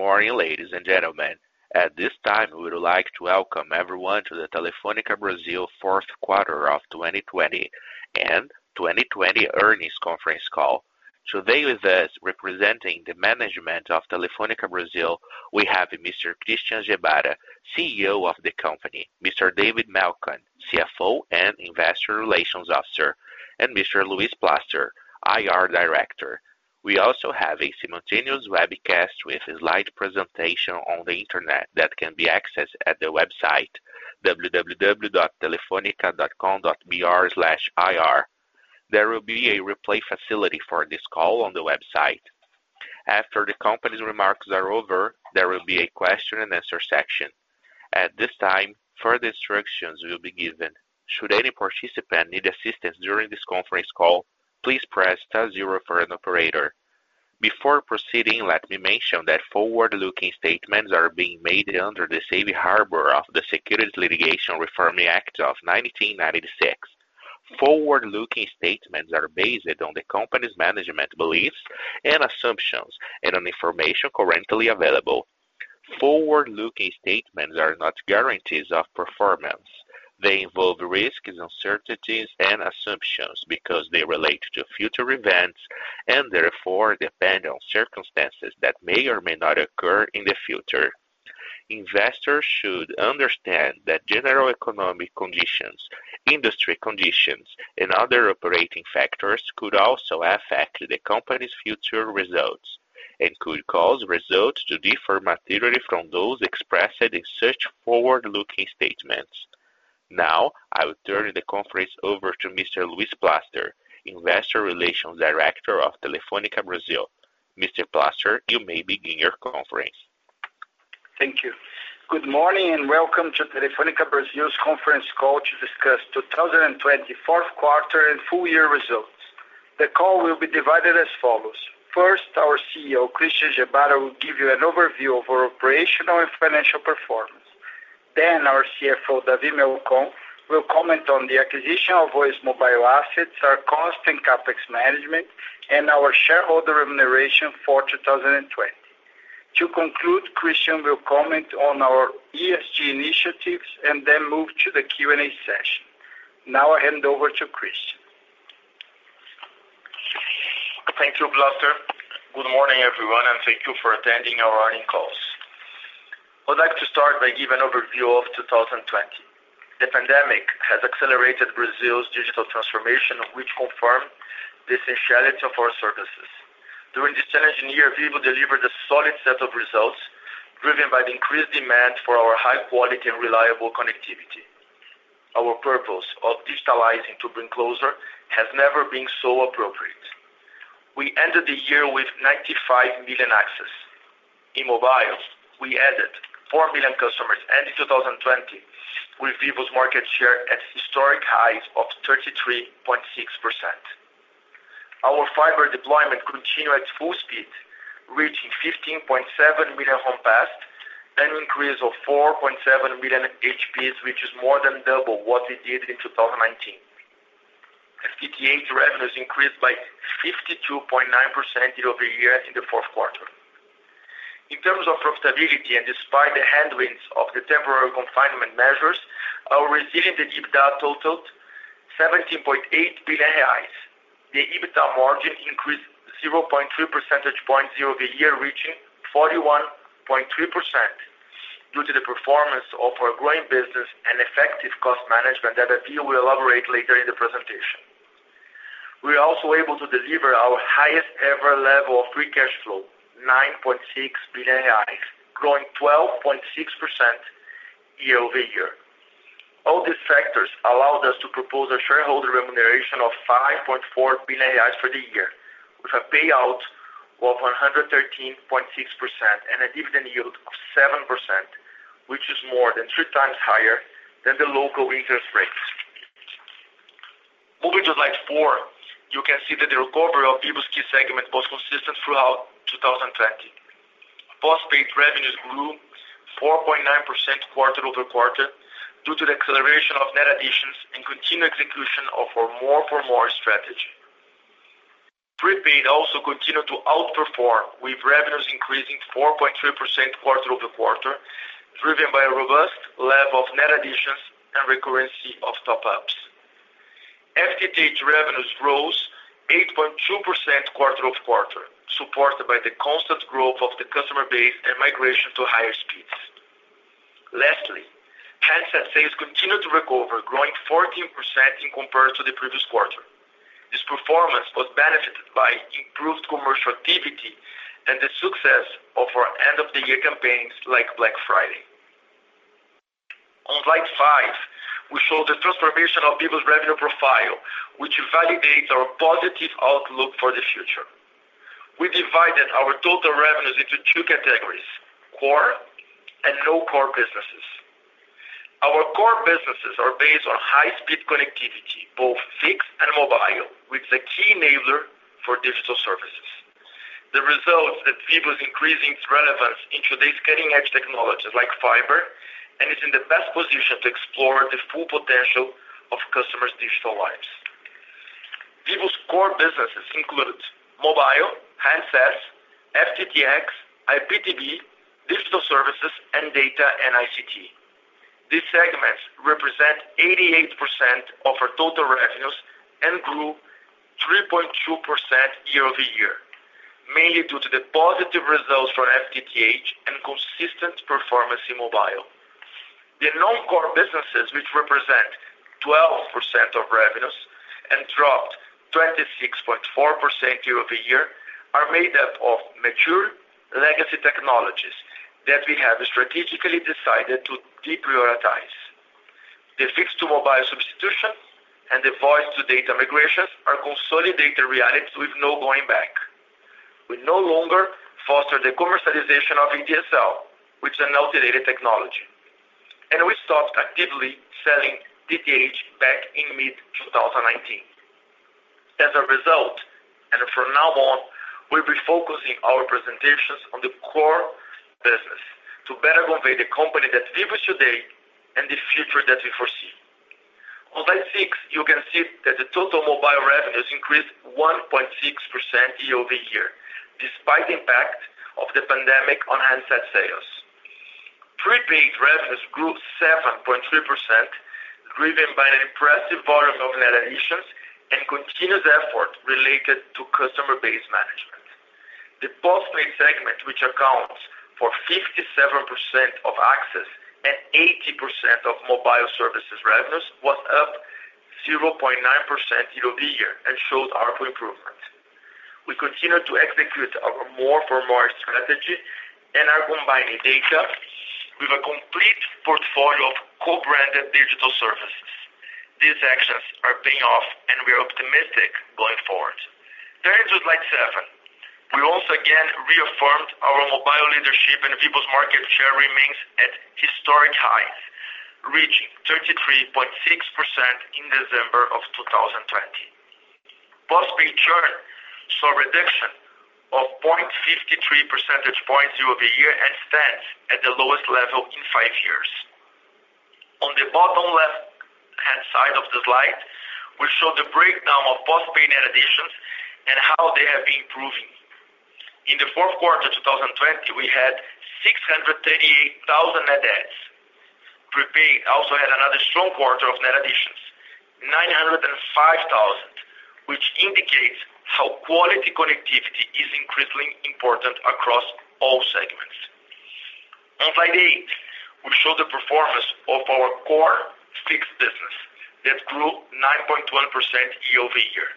Good morning, ladies and gentlemen. At this time, we would like to welcome everyone to the Telefônica Brasil fourth quarter of 2020 and 2020 earnings conference call. Today with us representing the management of Telefônica Brasil, we have Mr. Christian Gebara, CEO of the company, Mr. David Melcon, CFO and Investor Relations Officer, and Mr. Luis Plaster, IR Director. We also have a simultaneous webcast with a slide presentation on the internet that can be accessed at the website www.telefonica.com.br/ir. There will be a replay facility for this call on the website. After the company's remarks are over, there will be a question and answer section. At this time, further instructions will be given. Should any participant need assistance during this conference call, please press star zero for an operator. Before proceeding, let me mention that forward-looking statements are being made under the safe harbor of the Securities Litigation Reform Act of 1995. Forward-looking statements are based on the company's management beliefs and assumptions and on information currently available. Forward-looking statements are not guarantees of performance. They involve risks, uncertainties, and assumptions because they relate to future events and therefore depend on circumstances that may or may not occur in the future. Investors should understand that general economic conditions, industry conditions, and other operating factors could also affect the company's future results and could cause results to differ materially from those expressed in such forward-looking statements. Now, I will turn the conference over to Mr. Luis Plaster, Investor Relations Director of Telefônica Brasil. Mr. Plaster, you may begin your conference. Thank you. Good morning, and welcome to Telefônica Brasil's conference call to discuss 2020 fourth quarter and full-year results. The call will be divided as follows. First, our CEO, Christian Gebara, will give you an overview of our operational and financial performance. Then our CFO, David Melcon, will comment on the acquisition of Oi's mobile assets, our cost and CapEx management, and our shareholder remuneration for 2020. To conclude, Christian will comment on our ESG initiatives and then move to the Q&A session. Now I hand over to Christian. Thank you, Plaster. Good morning, everyone, and thank you for attending our earnings call. I'd like to start by giving an overview of 2020. The pandemic has accelerated Brazil's digital transformation, which confirmed the essentiality of our services. During this challenging year, Vivo delivered a solid set of results driven by the increased demand for our high quality and reliable connectivity. Our purpose of digitalizing to bring closer has never been so appropriate. We ended the year with 95 million access. In mobile, we added 4 million customers, ending 2020 with Vivo's market share at historic highs of 33.6%. Our fiber deployment continued at full speed, reaching 15.7 million home passed, an increase of 4.7 million HPs, which is more than double what we did in 2019. FTTH revenues increased by 52.9% year-over-year in the fourth quarter. In terms of profitability and despite the headwinds of the temporary confinement measures, our resilient EBITDA totaled 17.8 billion reais. The EBITDA margin increased 0.3 percentage points year-over-year, reaching 41.3% due to the performance of our growing business and effective cost management that David will elaborate later in the presentation. We were also able to deliver our highest ever level of free cash flow, 9.6 billion reais, growing 12.6% year-over-year. All these factors allowed us to propose a shareholder remuneration of 5.4 billion reais for the year, with a payout of 113.6% and a dividend yield of 7%, which is more than 3x higher than the local interest rates. Moving to slide four, you can see that the recovery of Vivo's key segment was consistent throughout 2020. Postpaid revenues grew 4.9% quarter-over-quarter due to the acceleration of net additions and continued execution of our more for more strategy. Prepaid also continued to outperform, with revenues increasing 4.3% quarter-over-quarter, driven by a robust level of net additions and recurrency of top-ups. FTTH revenues rose 8.2% quarter-over-quarter, supported by the constant growth of the customer base and migration to higher speeds. Lastly, handset sales continued to recover, growing 14% in comparison to the previous quarter. This performance was benefited by improved commercial activity and the success of our end-of-the-year campaigns like Black Friday. On slide five, we show the transformation of Vivo's revenue profile, which validates our positive outlook for the future. We divided our total revenues into two categories, core and no-core businesses. Our core businesses are based on high-speed connectivity, both fixed and mobile, which is a key enabler for digital services. The results at Vivo is increasing its relevance in today's cutting-edge technologies like fiber, and is in the best position to explore the full potential of customers' digital lives. Vivo's core businesses include mobile handsets, FTTx, IPTV, digital services, and data and ICT. These segments represent 88% of our total revenues and grew 3.2% year-over-year, mainly due to the positive results from FTTH and consistent performance in mobile. The non-core businesses, which represent 12% of revenues and dropped 26.4% year-over-year, are made up of mature legacy technologies that we have strategically decided to deprioritize. The fixed to mobile substitution and the voice to data migrations are consolidated realities with no going back. We no longer foster the commercialization of ADSL, which is an outdated technology, and we stopped actively selling DTH back in mid-2019. As a result, and from now on, we'll be focusing our presentations on the core business to better convey the company that Vivo is today and the future that we foresee. On slide six, you can see that the total mobile revenues increased 1.6% year-over-year, despite the impact of the pandemic on handset sales. Prepaid revenues grew 7.3%, driven by an impressive volume of net additions and continuous effort related to customer base management. The postpaid segment, which accounts for 57% of access and 80% of mobile services revenues, was up 0.9% year-over-year and showed ARPU improvement. We continue to execute our More for More strategy and are combining data with a complete portfolio of co-branded digital services. These actions are paying off. We are optimistic going forward. Turning to slide seven. We also again reaffirmed our mobile leadership, and Vivo's market share remains at historic highs, reaching 33.6% in December of 2020. Postpaid churn saw a reduction of 0.53 percentage points year-over-year and stands at the lowest level in five years. On the bottom left-hand side of the slide, we show the breakdown of postpaid net additions and how they have been improving. In the fourth quarter of 2020, we had 638,000 net adds. Prepaid also had another strong quarter of net additions, 905,000, which indicates how quality connectivity is increasingly important across all segments. On slide eight, we show the performance of our core fixed business that grew 9.1% year-over-year.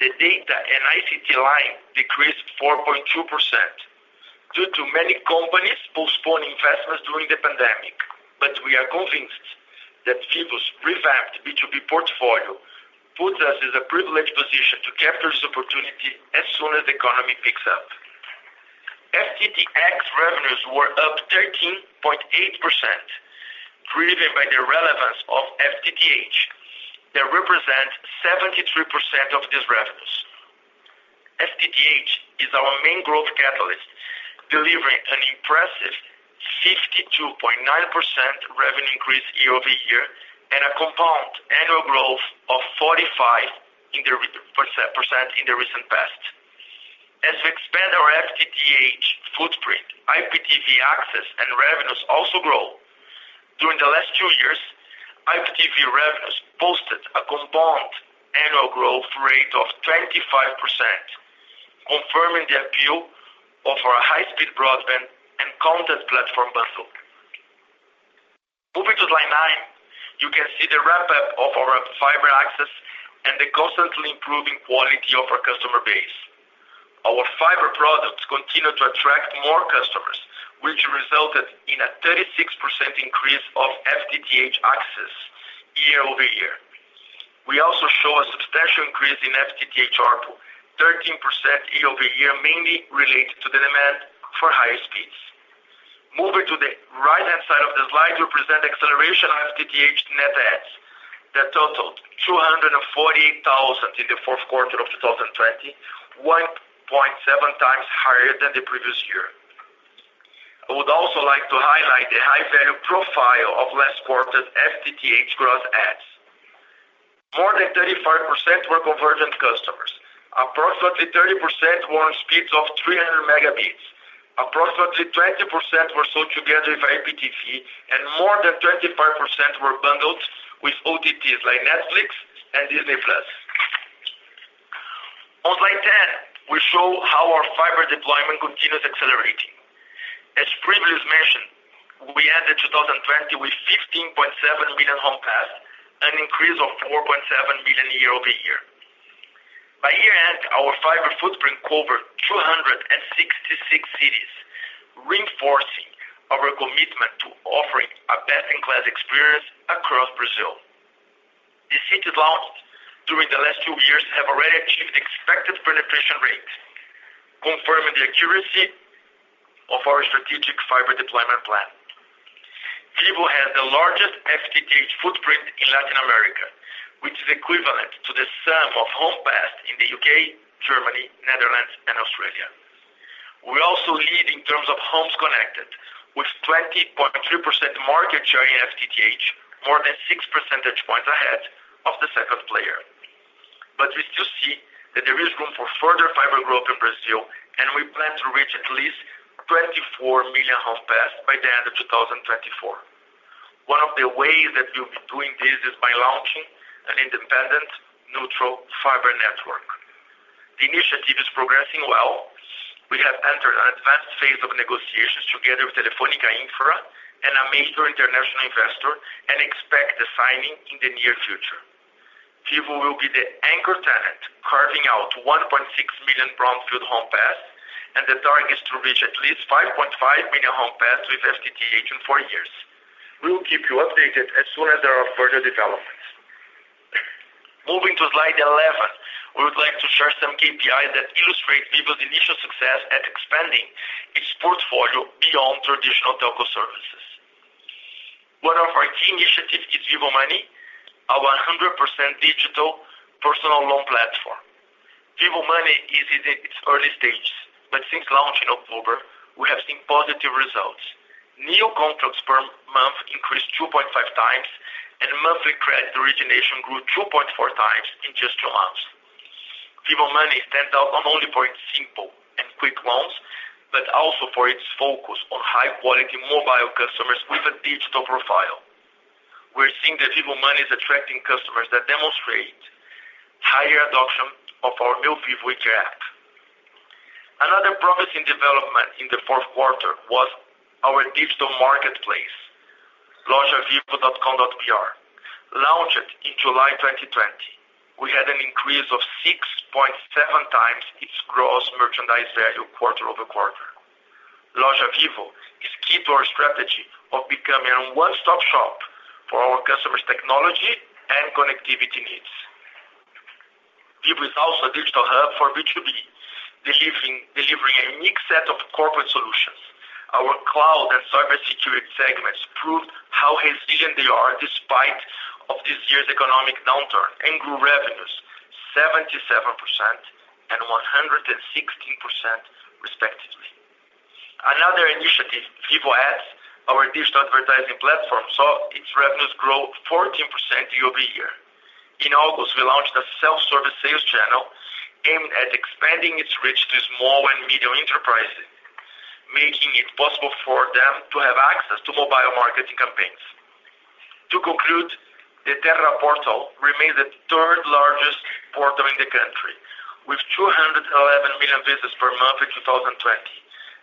The data and ICT line decreased 4.2% due to many companies postponing investments during the pandemic. We are convinced that Vivo's revamped B2B portfolio puts us in a privileged position to capture this opportunity as soon as the economy picks up. FTTx revenues were up 13.8%, driven by the relevance of FTTH. They represent 73% of these revenues. FTTH is our main growth catalyst, delivering an impressive 52.9% revenue increase year-over-year and a compound annual growth of 45% in the recent past. As we expand our FTTH footprint, IPTV access and revenues also grow. During the last two years, IPTV revenues posted a compound annual growth rate of 25%, confirming the appeal of our high-speed broadband and content platform bundle. Moving to slide nine, you can see the ramp-up of our fiber access and the constantly improving quality of our customer base. Our fiber products continue to attract more customers, which resulted in a 36% increase of FTTH access year-over-year. We also show a substantial increase in FTTH ARPU, 13% year-over-year, mainly related to the demand for higher speeds. Moving to the right-hand side of the slide, we present the acceleration of FTTH net adds that totaled 248,000 in the fourth quarter of 2020, 1.7x higher than the previous year. I would also like to highlight the high-value profile of last quarter's FTTH gross adds. More than 35% were convergent customers. Approximately 30% were on speeds of 300 Mb. Approximately 20% were sold together with IPTV, and more than 25% were bundled with OTTs like Netflix and Disney+. On slide 10, we show how our fiber deployment continues accelerating. As previously mentioned, we ended 2020 with 15.7 million home passed, an increase of 4.7 million year-over-year. By year-end, our fiber footprint covered 266 cities, reinforcing our commitment to offering a best-in-class experience across Brazil. The cities launched during the last two years have already achieved expected penetration rates, confirming the accuracy of our strategic fiber deployment plan. Vivo has the largest FTTH footprint in Latin America, which is equivalent to the sum of home passed in the U.K., Germany, Netherlands, and Australia. We also lead in terms of homes connected with 20.3% market share in FTTH, more than 6% points ahead of the second player. We still see that there is room for further fiber growth in Brazil, and we plan to reach at least 24 million home passed by the end of 2024. One of the ways that we'll be doing this is by launching an independent neutral fiber network. The initiative is progressing well. We have entered an advanced phase of negotiations together with Telefónica Infra and a major international investor, and expect the signing in the near future. Vivo will be the anchor tenant, carving out 1.6 million brownfield home passed. The target is to reach at least 5.5 million home passed with FTTH in four years. We will keep you updated as soon as there are further developments. Moving to slide 11, we would like to share some KPIs that illustrate Vivo's initial success at expanding its portfolio beyond traditional telco services. One of our key initiatives is Vivo Money, our 100% digital personal loan platform. Vivo Money is in its early stages. Since launch in October, we have seen positive results. New contracts per month increased 2.5x. Monthly credit origination grew 2.4x in just two months. Vivo Money stands out not only for its simple and quick loans, but also for its focus on high-quality mobile customers with a digital profile. We're seeing that Vivo Money is attracting customers that demonstrate higher adoption of our new Reclame Aqui app. Another promising development in the fourth quarter was our digital marketplace, lojavivo.com.br. Launched in July 2020, we had an increase of 6.7x its gross merchandise value quarter-over-quarter. Loja Vivo is key to our strategy of becoming a one-stop shop for our customers' technology and connectivity needs. Vivo is also a digital hub for B2B, delivering a unique set of corporate solutions. Our cloud and cyber security segments proved how resilient they are despite of this year's economic downturn and grew revenues 77% and 116% respectively. Another initiative, Vivo Ads, our digital advertising platform, saw its revenues grow 14% year-over-year. In August, we launched a self-service sales channel aimed at expanding its reach to small and medium enterprises, making it possible for them to have access to mobile marketing campaigns. To conclude, the Terra Portal remains the third largest portal in the country, with 211 million visits per month in 2020,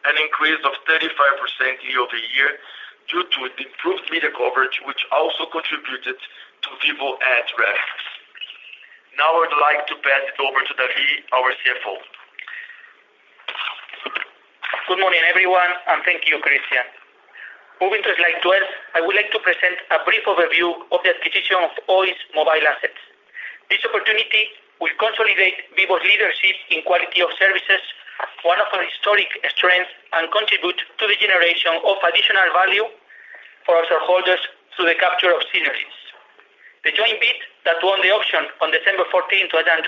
an increase of 35% year-over-year due to its improved media coverage, which also contributed to Vivo Ads revenues. Now, I would like to pass it over to David, our CFO. Good morning, everyone, and thank you, Christian. Moving to slide 12, I would like to present a brief overview of the acquisition of Oi's mobile assets. This opportunity will consolidate Vivo's leadership in quality of services, one of our historic strengths, and contribute to the generation of additional value for our shareholders through the capture of synergies. The joint bid that won the auction on December 14, 2020,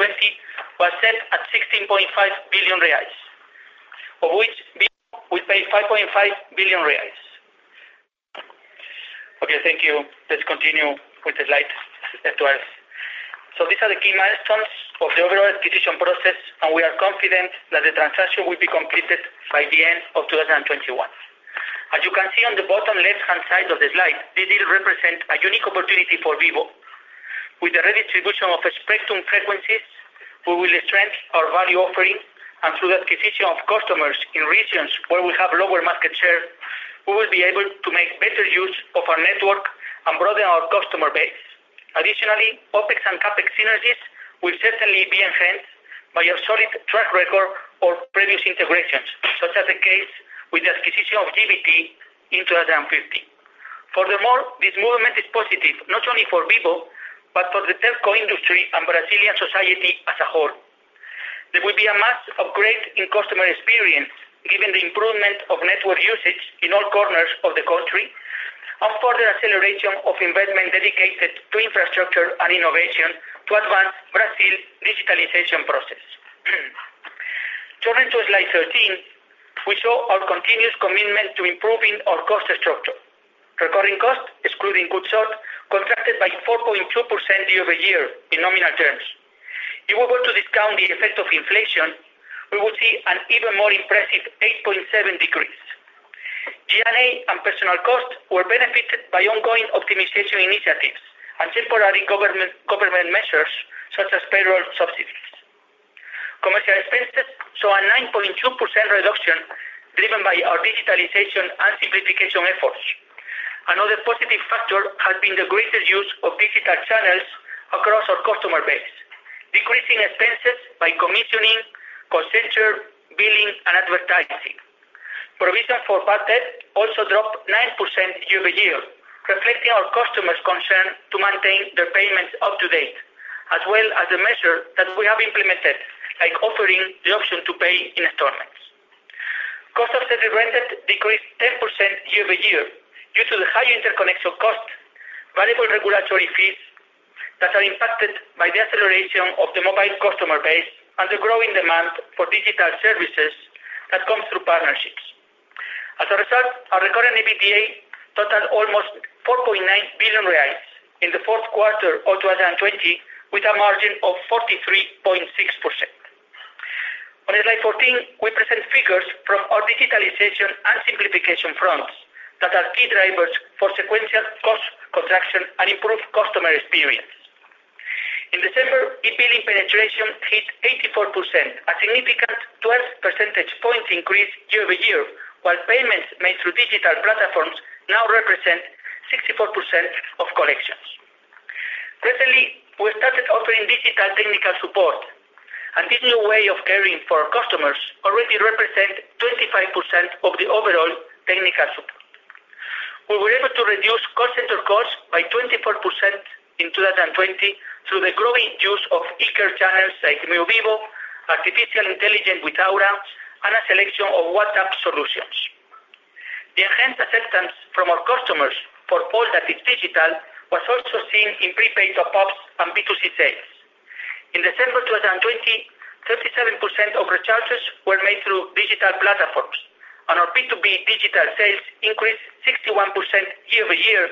was set at 16.5 billion reais, of which Vivo will pay 5.5 billion reais. Okay, thank you. Let's continue with the slide 12. These are the key milestones of the overall acquisition process, and we are confident that the transaction will be completed by the end of 2021. As you can see on the bottom left-hand side of the slide, this will represent a unique opportunity for Vivo. With the redistribution of spectrum frequencies, we will strengthen our value offering, and through the acquisition of customers in regions where we have lower market share, we will be able to make better use of our network and broaden our customer base. Additionally, OpEx and CapEx synergies will certainly be enhanced by our solid track record of previous integrations, such as the case with the acquisition of GVT in 2015. Furthermore, this movement is positive, not only for Vivo, but for the telco industry and Brazilian society as a whole. There will be a mass upgrade in customer experience, given the improvement of network usage in all corners of the country, and further acceleration of investment dedicated to infrastructure and innovation to advance Brazil's digitalization process. Turning to slide 13, we show our continuous commitment to improving our cost structure. Recurring costs, excluding goods sold, contracted by 4.2% year-over-year in nominal terms. If we were to discount the effect of inflation, we would see an even more impressive 8.7% decrease. G&A and personal costs were benefited by ongoing optimization initiatives and temporary government measures, such as payroll subsidies. Commercial expenses saw a 9.2% reduction driven by our digitalization and simplification efforts. Another positive factor has been the greater use of digital channels across our customer base, decreasing expenses by commissioning, call center, billing, and advertising. Provision for bad debt also dropped 9% year-over-year, reflecting our customers' concern to maintain their payments up to date, as well as the measure that we have implemented, like offering the option to pay in installments. Cost of services rendered decreased 10% year-over-year due to the high interconnection cost, variable regulatory fees that are impacted by the acceleration of the mobile customer base and the growing demand for digital services that comes through partnerships. As a result, our recurring EBITDA totaled almost 4.9 billion reais in the fourth quarter of 2020, with a margin of 43.6%. On slide 14, we present figures from our digitalization and simplification fronts that are key drivers for sequential cost contraction and improved customer experience. In December, e-billing penetration hit 84%, a significant 12 percentage points increase year-over-year, while payments made through digital platforms now represent 64% of collections. Recently, we started offering digital technical support, and this new way of caring for our customers already represents 25% of the overall technical support. We were able to reduce call center costs by 24% in 2020 through the growing use of e-care channels like Meu Vivo, artificial intelligence with Aura, and a selection of WhatsApp solutions. The enhanced assistance from our customers for all that is digital was also seen in prepaid top-ups and B2C sales. In December 2020, 37% of recharges were made through digital platforms, and our B2B digital sales increased 61% year-over-year.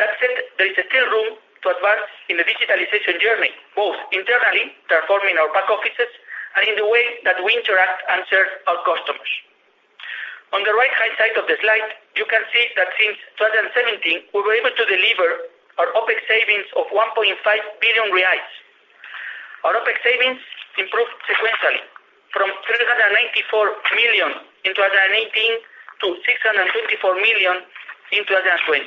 That said, there is still room to advance in the digitalization journey, both internally, transforming our back offices, and in the way that we interact and serve our customers. On the right-hand side of the slide, you can see that since 2017, we were able to deliver our OpEx savings of 1.5 billion reais. Our OpEx savings improved sequentially from 394 million in 2018-BRL 654 million in 2020.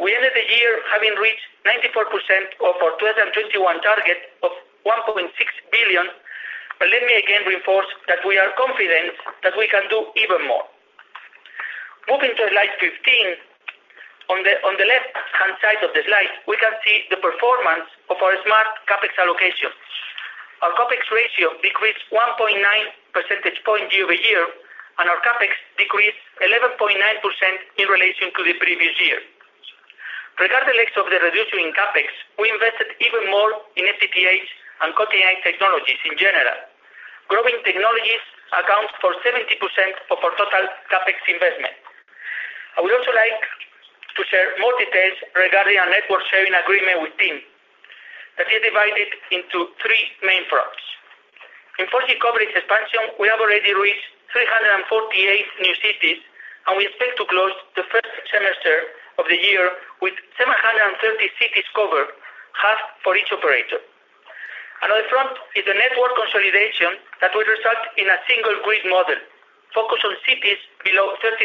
We ended the year having reached 94% of our 2021 target of 1.6 billion. Let me again reinforce that we are confident that we can do even more. Moving to slide 15. On the left-hand side of the slide, we can see the performance of our smart CapEx allocation. Our CapEx ratio decreased 1.9 percentage points year-over-year, and our CapEx decreased 11.9% in relation to the previous year. Regardless of the reduction in CapEx, we invested even more in FTTH and 48 technologies in general. Growing technologies account for 70% of our total CapEx investment. I would also like to share more details regarding our network sharing agreement with TIM. That is divided into three main fronts. In 4G coverage expansion, we have already reached 348 new cities, and we expect to close the first semester of the year with 730 cities covered, half for each operator. Another front is the network consolidation that will result in a single grid model focused on cities below 30,000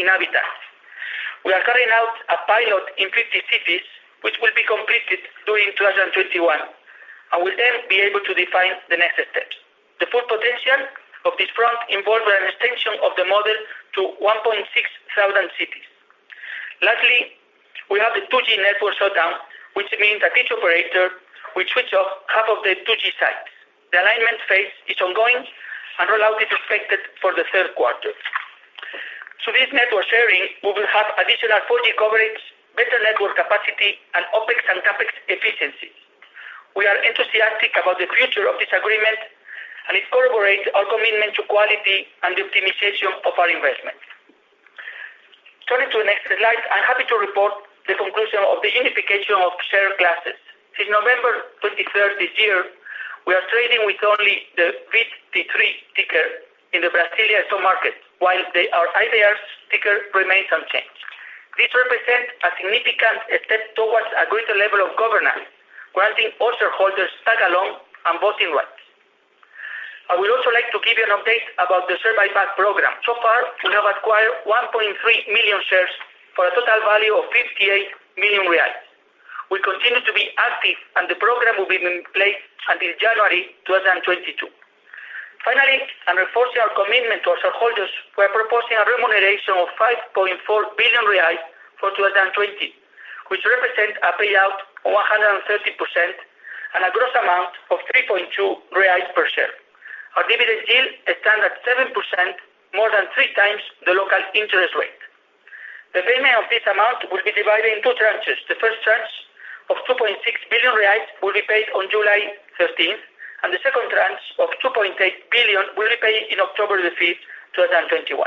inhabitants. We are carrying out a pilot in 50 cities, which will be completed during 2021, and we'll then be able to define the next steps. The full potential of this front involves an extension of the model to 1,600 cities. Lastly, we have the 2G network shutdown, which means that each operator will switch off half of the 2G sites. The alignment phase is ongoing, and rollout is expected for the third quarter. Through this network sharing, we will have additional 4G coverage, better network capacity, and OpEx and CapEx efficiency. We are enthusiastic about the future of this agreement, and it corroborates our commitment to quality and the optimization of our investment. Turning to the next slide, I'm happy to report the conclusion of the unification of share classes. Since November 23rd this year, we are trading with only the VIVT3 ticker in the B3 stock market while our ADR ticker remains unchanged. This represents a significant step towards a greater level of governance, granting all shareholders tag-along and voting rights. I would also like to give you an update about the share buyback program. So far, we have acquired 1.3 million shares for a total value of 58 million reais. We continue to be active, and the program will be in place until January 2022. Finally, reinforcing our commitment to our shareholders, we are proposing a remuneration of 5.4 billion reais for 2020, which represents a payout of 130% and a gross amount of 3.2 reais per share. Our dividend yield stands at 7%, more than 3x the local interest rate. The payment of this amount will be divided in two tranches. The first tranche of 2.6 billion reais will be paid on July 13th, and the second tranche of 2.8 billion will be paid on October 5th, 2021.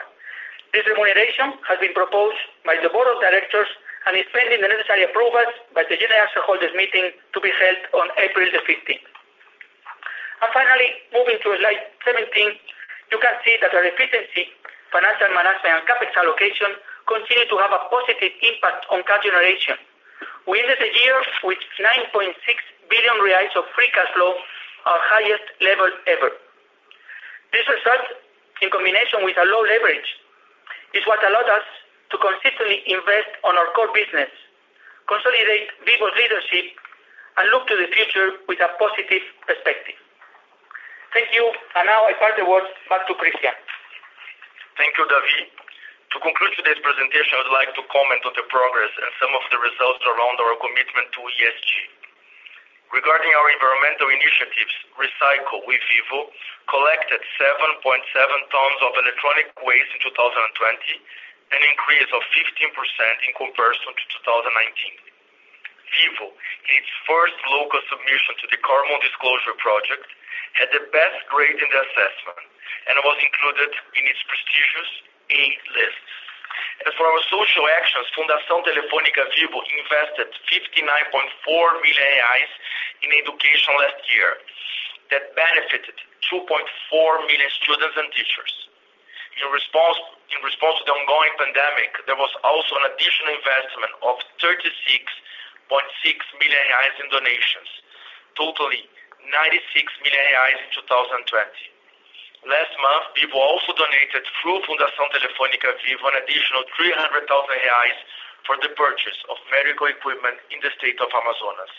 This remuneration has been proposed by the board of directors and is pending the necessary approval by the general shareholders meeting to be held on April 15th. Finally, moving to slide 17, you can see that our efficiency, financial management, and capital allocation continue to have a positive impact on cash generation. We ended the year with 9.6 billion reais of free cash flow, our highest level ever. This result, in combination with a low leverage, is what allowed us to consistently invest on our core business, consolidate Vivo's leadership, and look to the future with a positive perspective. Thank you. Now I pass the words back to Christian. Thank you, David. To conclude today's presentation, I would like to comment on the progress and some of the results around our commitment to ESG. Regarding our environmental initiatives, Recycle with Vivo collected 7.7 tons of electronic waste in 2020, an increase of 15% in comparison to 2019. Vivo, in its first local submission to the Carbon Disclosure Project, had the best grade in the assessment and was included in its prestigious A Lists. For our social actions, Fundação Telefônica Vivo invested 59.4 million reais in education last year that benefited 2.4 million students and teachers. In response to the ongoing pandemic, there was also an additional investment of 36.6 million reais in donations, totaling 96 million reais in 2020. Last month, Vivo also donated, through Fundação Telefônica Vivo, an additional 300,000 reais for the purchase of medical equipment in the state of Amazonas.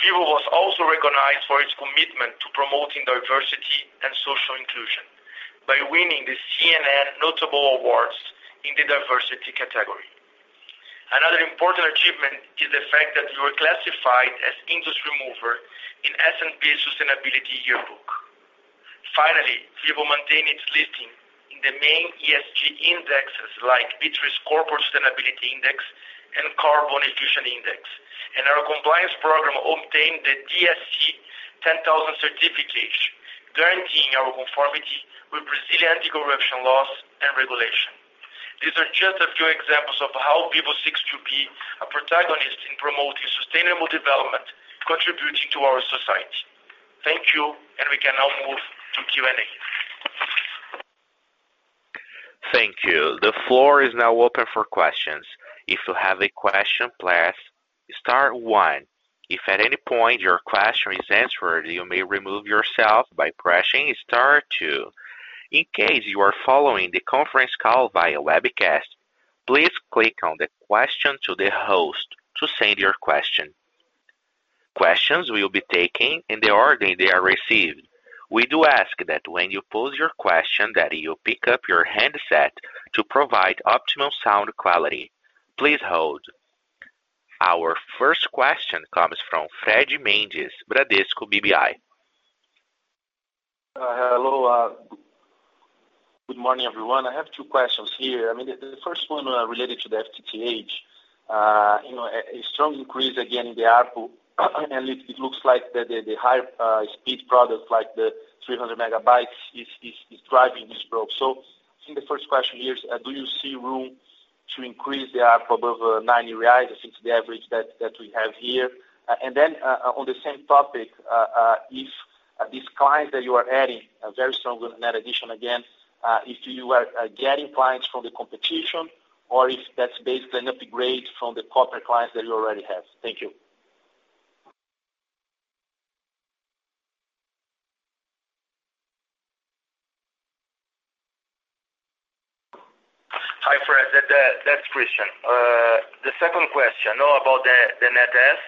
Vivo was also recognized for its commitment to promoting diversity and social inclusion by winning the Prêmio Notáveis CNN in the diversity category. Another important achievement is the fact that we were classified as industry mover in S&P Global Sustainability Yearbook. Finally, Vivo maintained its listing in the main ESG indexes like B3's Corporate Sustainability Index and Carbon Efficiency Index, and our compliance program obtained the DSC 10000 certification, guaranteeing our conformity with Brazilian anti-corruption laws and regulations. These are just a few examples of how Vivo seeks to be a protagonist in promoting sustainable development, contributing to our society. Thank you, and we can now move to Q&A. Thank you. The floor is now open for questions. If you have a question, press star one. If at any point your question is answered, you may remove yourself by pressing star two. In case you are following the conference call via webcast, please click on the question to the host to send your question. Questions will be taken in the order they are received. We do ask that when you pose your question that you pick up your handset to provide optimal sound quality. Please hold. Our first question comes from Fred Mendes, Bradesco BBI. Hello. Good morning, everyone. I have two questions here. The first one related to the FTTH. A strong increase again in the ARPU, and it looks like the higher speed product, like the 300 MB is driving this growth. I think the first question here is, do you see room to increase the ARPU above 90 reais? I think it's the average that we have here. On the same topic, if these clients that you are adding are very strong net addition again, if you are getting clients from the competition or if that's basically an upgrade from the corporate clients that you already have. Thank you. Hi, Fred. That's Christian. The second question about the net adds,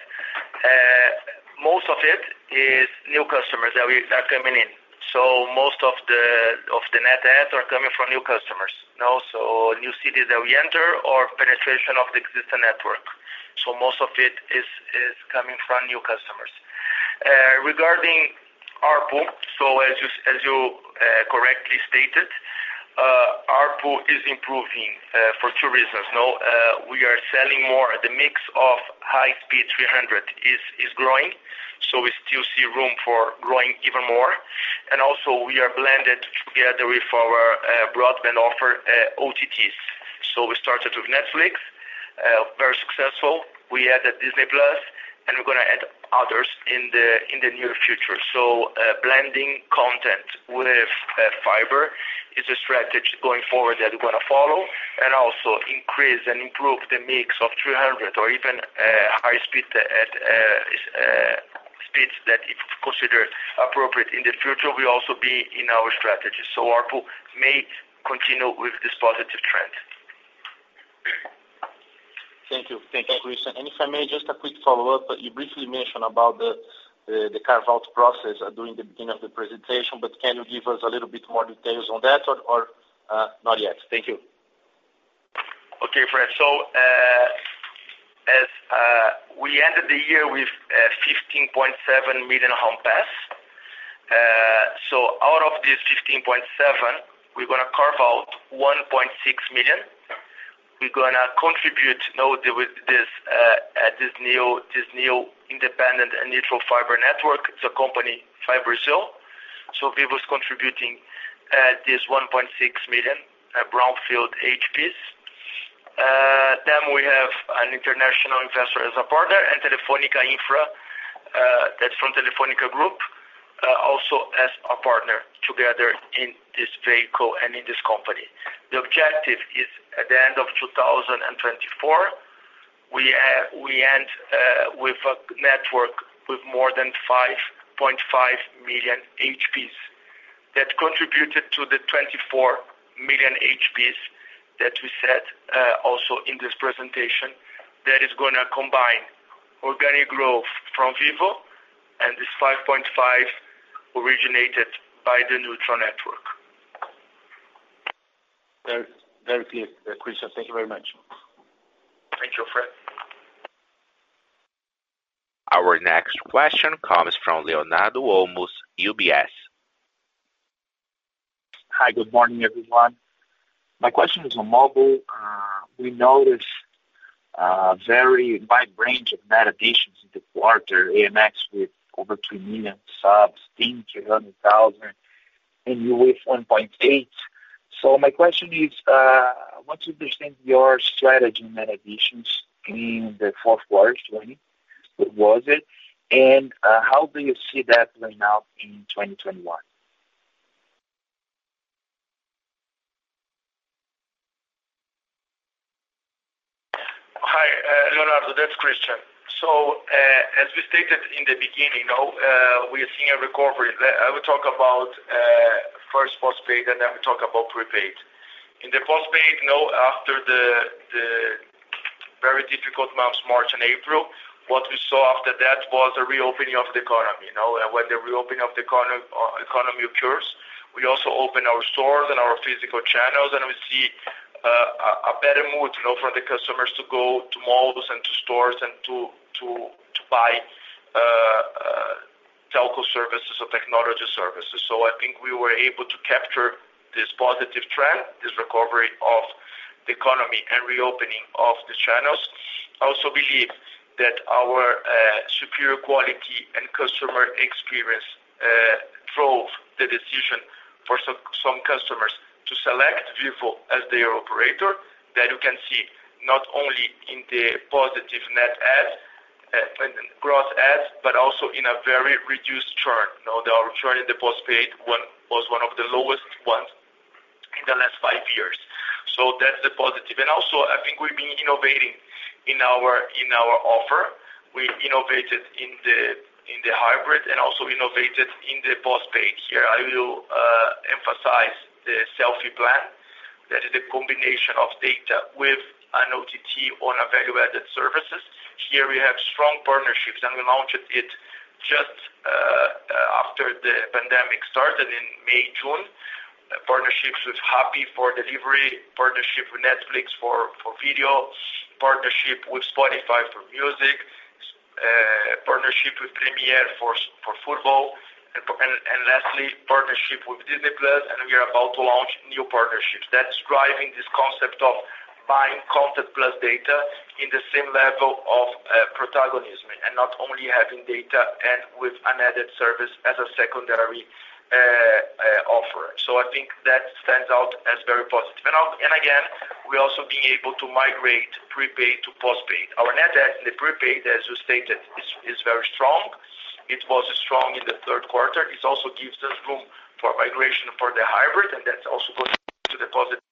most of it is new customers that are coming in. Most of the net adds are coming from new customers. New cities that we enter or penetration of the existing network. Most of it is coming from new customers. Regarding ARPU, as you correctly stated, ARPU is improving for two reasons. We are selling more. The mix of high speed 300 is growing, so we still see room for growing even more. Also we are blended together with our broadband offer, OTTs. We started with Netflix, very successful. We added Disney+, and we're going to add others in the near future. Blending content with fiber is a strategy going forward that we're going to follow and also increase and improve the mix of 300 or even high speed that if considered appropriate in the future will also be in our strategy. ARPU may continue with this positive trend. Thank you, Christian. If I may, just a quick follow-up. You briefly mentioned about the carve-out process during the beginning of the presentation, can you give us a little bit more details on that, or not yet? Thank you. Okay, Fred. As we ended the year with 15.7 million home passed, out of this 15.7, we're going to carve out 1.6 million. We're going to contribute with this new independent and neutral fiber network. It's a company, FiBrasil. Vivo is contributing this 1.6 million brownfield HPS. We have an international investor as a partner and Telefónica Infra, that's from Telefónica Group, also as a partner together in this vehicle and in this company. The objective is at the end of 2024, we end with a network with more than 5.5 million HPS. That contributed to the 24 million HPS that we said also in this presentation, that is going to combine organic growth from Vivo and this 5.5 originated by the neutral network. Very clear, Christian. Thank you very much. Thank you, Fred. Our next question comes from Leonardo Olmos, UBS. Hi. Good morning, everyone. My question is on mobile. We noticed a very wide range of net additions in the quarter. AMX with over 3 million subs, TIM 300,000, and Oi 1.8. My question is, I want to understand your strategy net additions in the fourth quarter 2020. What was it, and how do you see that playing out in 2021? Hi, Leonardo. That's Christian. As we stated in the beginning, we are seeing a recovery. I will talk about first postpaid, and then we talk about prepaid. In the postpaid, after the very difficult months, March and April, what we saw after that was a reopening of the economy. When the reopen of the economy occurs, we also open our stores and our physical channels, and we see a better mood for the customers to go to malls and to stores and to buy telco services or technology services. I think we were able to capture this positive trend, this recovery of the economy and reopening of the channels. I also believe that our superior quality and customer experience drove the decision for some customers to select Vivo as their operator, that you can see not only in the positive net adds and gross adds, but also in a very reduced churn. The churn in the postpaid was one of the lowest ones in the last five years. That's the positive. I think we've been innovating in our offer. We innovated in the hybrid and also innovated in the postpaid. Here, I will emphasize the Vivo Selfie. That is a combination of data with an OTT on a value-added services. Here we have strong partnerships, and we launched it just after the pandemic started in May, June. Partnerships with Rappi for delivery, partnership with Netflix for video, partnership with Spotify for music, partnership with Premiere for football, and lastly, partnership with Disney+. We are about to launch new partnerships. That is driving this concept of buying content plus data in the same level of protagonism, and not only having data and with an added service as a secondary offer. I think that stands out as very positive. Again, we are also being able to migrate prepaid to postpaid. Our net add in the prepaid, as you stated, is very strong. It was strong in the third quarter. It also gives us room for migration for the hybrid, and that also goes to the positive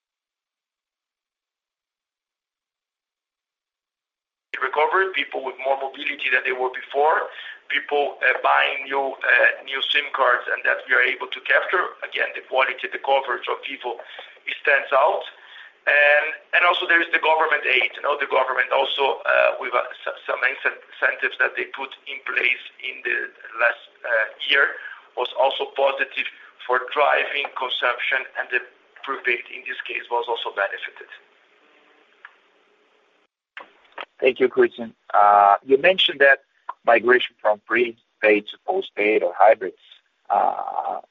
recovery. People with more mobility than they were before, people buying new SIM cards, and that we are able to capture, again, the quality, the coverage of people, it stands out. Also, there is the government aid. The government also, with some incentives that they put in place in the last year, was also positive for driving consumption, and the prepaid, in this case, was also benefited. Thank you, Christian. You mentioned that migration from prepaid to postpaid or hybrids.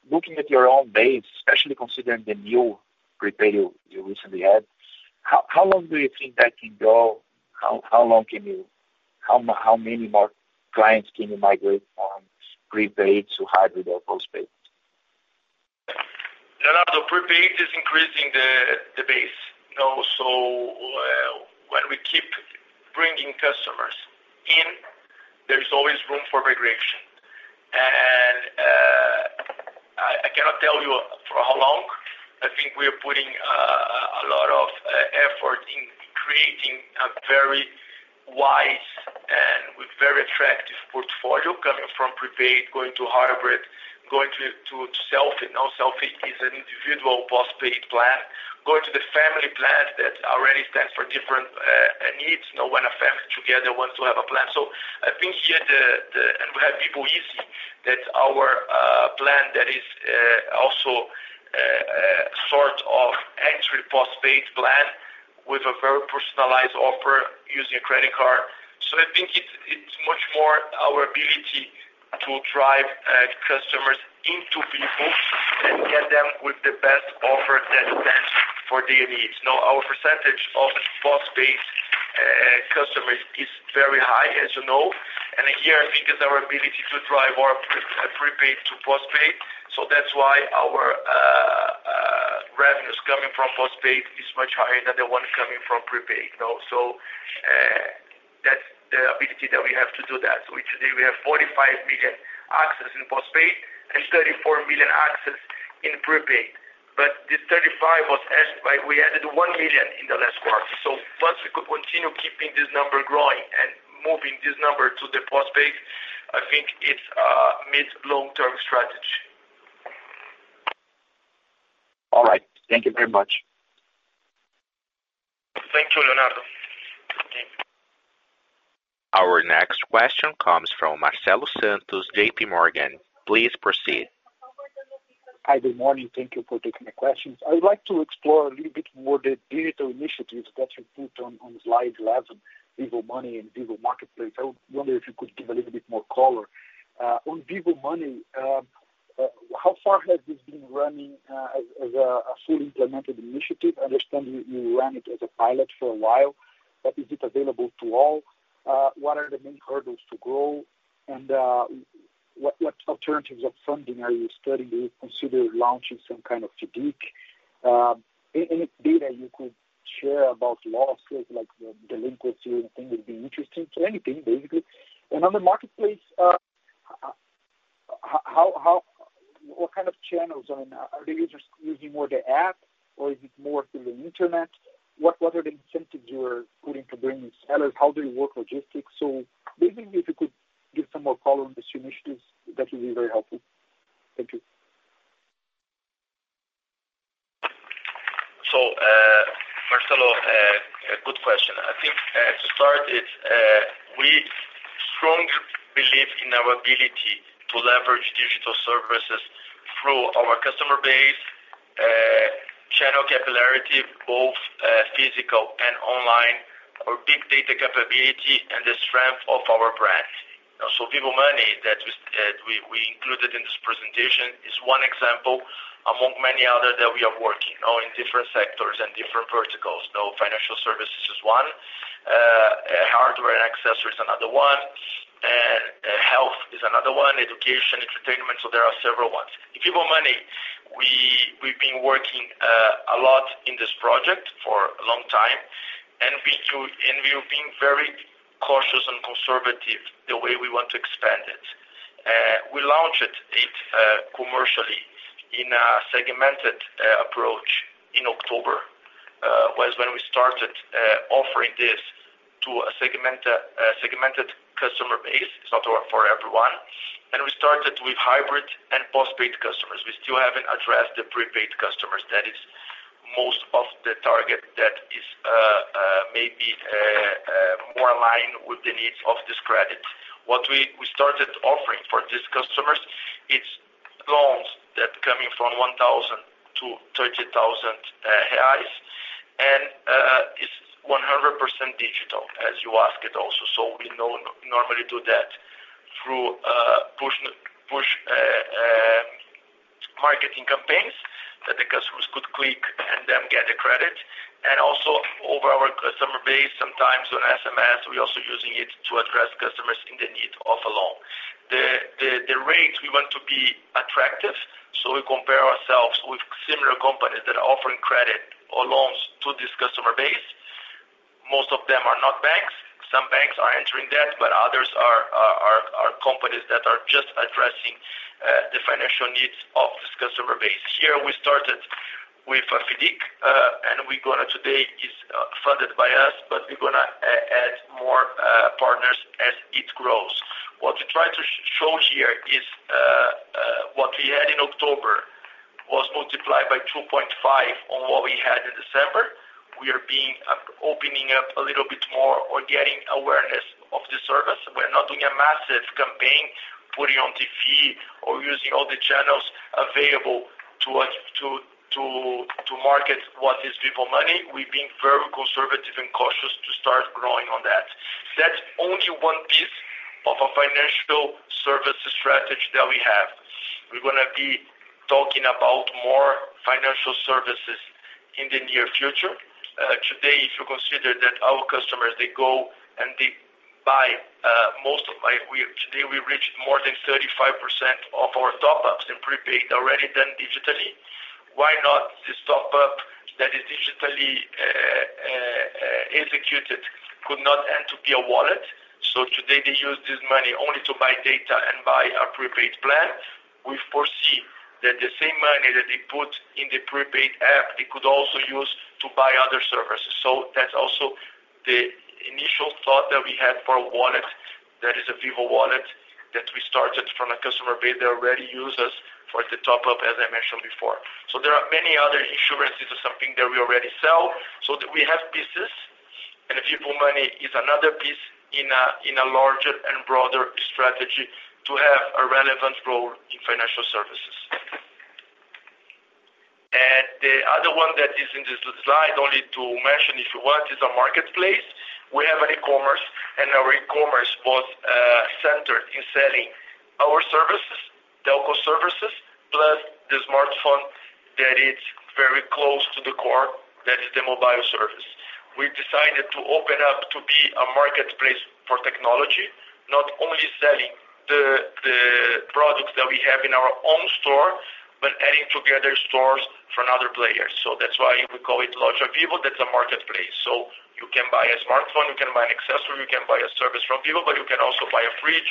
Looking at your own base, especially considering the new prepaid you recently had, how long do you think that can go? How many more clients can you migrate from prepaid to hybrid or postpaid? Leonardo, prepaid is increasing the base. When we keep bringing customers in, there is always room for migration. I cannot tell you for how long. I think we are putting a lot of effort in creating a very wise and very attractive portfolio coming from prepaid, going to hybrid, going to Selfie. Selfie is an individual postpaid plan, going to the family plan that already stands for different needs, when a family together wants to have a plan. I think here, and we have people using our plan that is also a sort of entry postpaid plan with a very personalized offer using a credit card. I think it's much more our ability to drive customers into people and get them with the best offer that stands for their needs. Now, our percentage of postpaid customers is very high, as you know, and here, I think it's our ability to drive our prepaid to postpaid. That's why our revenues coming from postpaid is much higher than the one coming from prepaid. That's the ability that we have to do that. Today, we have 45 million accesses in postpaid and 34 million accesses in prepaid. This 35 was as by we added 1 million in the last quarter. Once we could continue keeping this number growing and moving this number to the postpaid, I think it's a mid-long-term strategy. All right. Thank you very much. Thank you, Leonardo. This question comes from Marcelo Santos, JPMorgan. Please proceed. Hi, good morning. Thank you for taking the questions. I would like to explore a little bit more the digital initiatives that you put on slide 11, Vivo Money and Vivo Marketplace. I wonder if you could give a little bit more color. On Vivo Money, how far has this been running as a fully implemented initiative? I understand you ran it as a pilot for a while, but is it available to all? What are the main hurdles to grow, and what alternatives of funding are you studying? Do you consider launching some kind of FIDC? Any data you could share about losses, like the delinquency or anything would be interesting. Anything, basically. On the marketplace, what kind of channels? Are they just using more the app or is it more through the internet? What are the incentives you are putting to bring in sellers? How do you work logistics? Basically, if you could give some more color on these initiatives, that would be very helpful. Thank you. Marcelo, good question. I think to start is, we strongly believe in our ability to leverage digital services through our customer base, channel capillarity, both physical and online, our big data capability, and the strength of our brand. Vivo Money that we included in this presentation is one example among many others that we are working on in different sectors and different verticals. Financial services is one, hardware and accessories is another one, and health is another one, education, entertainment, there are several ones. In Vivo Money, we've been working a lot in this project for a long time, and we've been very cautious and conservative the way we want to expand it. We launched it commercially in a segmented approach in October, was when we started offering this to a segmented customer base. It's not for everyone. We started with hybrid and postpaid customers. We still haven't addressed the prepaid customers. That is most of the target that is maybe more aligned with the needs of this credit. What we started offering for these customers is loans that coming from 1,000-30,000 reais, and it's 100% digital, as you asked also. We normally do that through push marketing campaigns that the customers could click and then get the credit. Also over our customer base, sometimes on SMS, we're also using it to address customers in the need of a loan. The rates we want to be attractive, we compare ourselves with similar companies that are offering credit or loans to this customer base. Most of them are not banks. Some banks are entering that, others are companies that are just addressing the financial needs of this customer base. Here we started with FIDC, today it's funded by us, but we're going to add more partners as it grows. What we try to show here is what we had in October was multiplied by 2.5 on what we had in December. We are opening up a little bit more or getting awareness of the service. We're not doing a massive campaign, putting on TV or using all the channels available to market what is Vivo Money. We're being very conservative and cautious to start growing on that. That's only one piece of a financial service strategy that we have. We're going to be talking about more financial services in the near future. Today, if you consider that our customers, they go and they buy, today we reached more than 35% of our top-ups in prepaid already done digitally. Why not this top-up that is digitally executed could not end to be a wallet? Today they use this money only to buy data and buy a prepaid plan. We foresee that the same money that they put in the prepaid app, they could also use to buy other services. That's also the initial thought that we had for a wallet. That is a Vivo wallet that we started from a customer base that already use us for the top-up, as I mentioned before. There are many other insurances or something that we already sell, so that we have pieces, and Vivo Money is another piece in a larger and broader strategy to have a relevant role in financial services. The other one that is in this slide, only to mention if you want, is a marketplace. We have an e-commerce. Our e-commerce was centered in selling our services, telco services, plus the smartphone that is very close to the core. That is the mobile service. We decided to open up to be a marketplace for technology, not only selling the products that we have in our own store, but adding together stores for another player. That's why we call it Loja Vivo. That's a marketplace. You can buy a smartphone, you can buy an accessory, you can buy a service from Vivo, but you can also buy a fridge.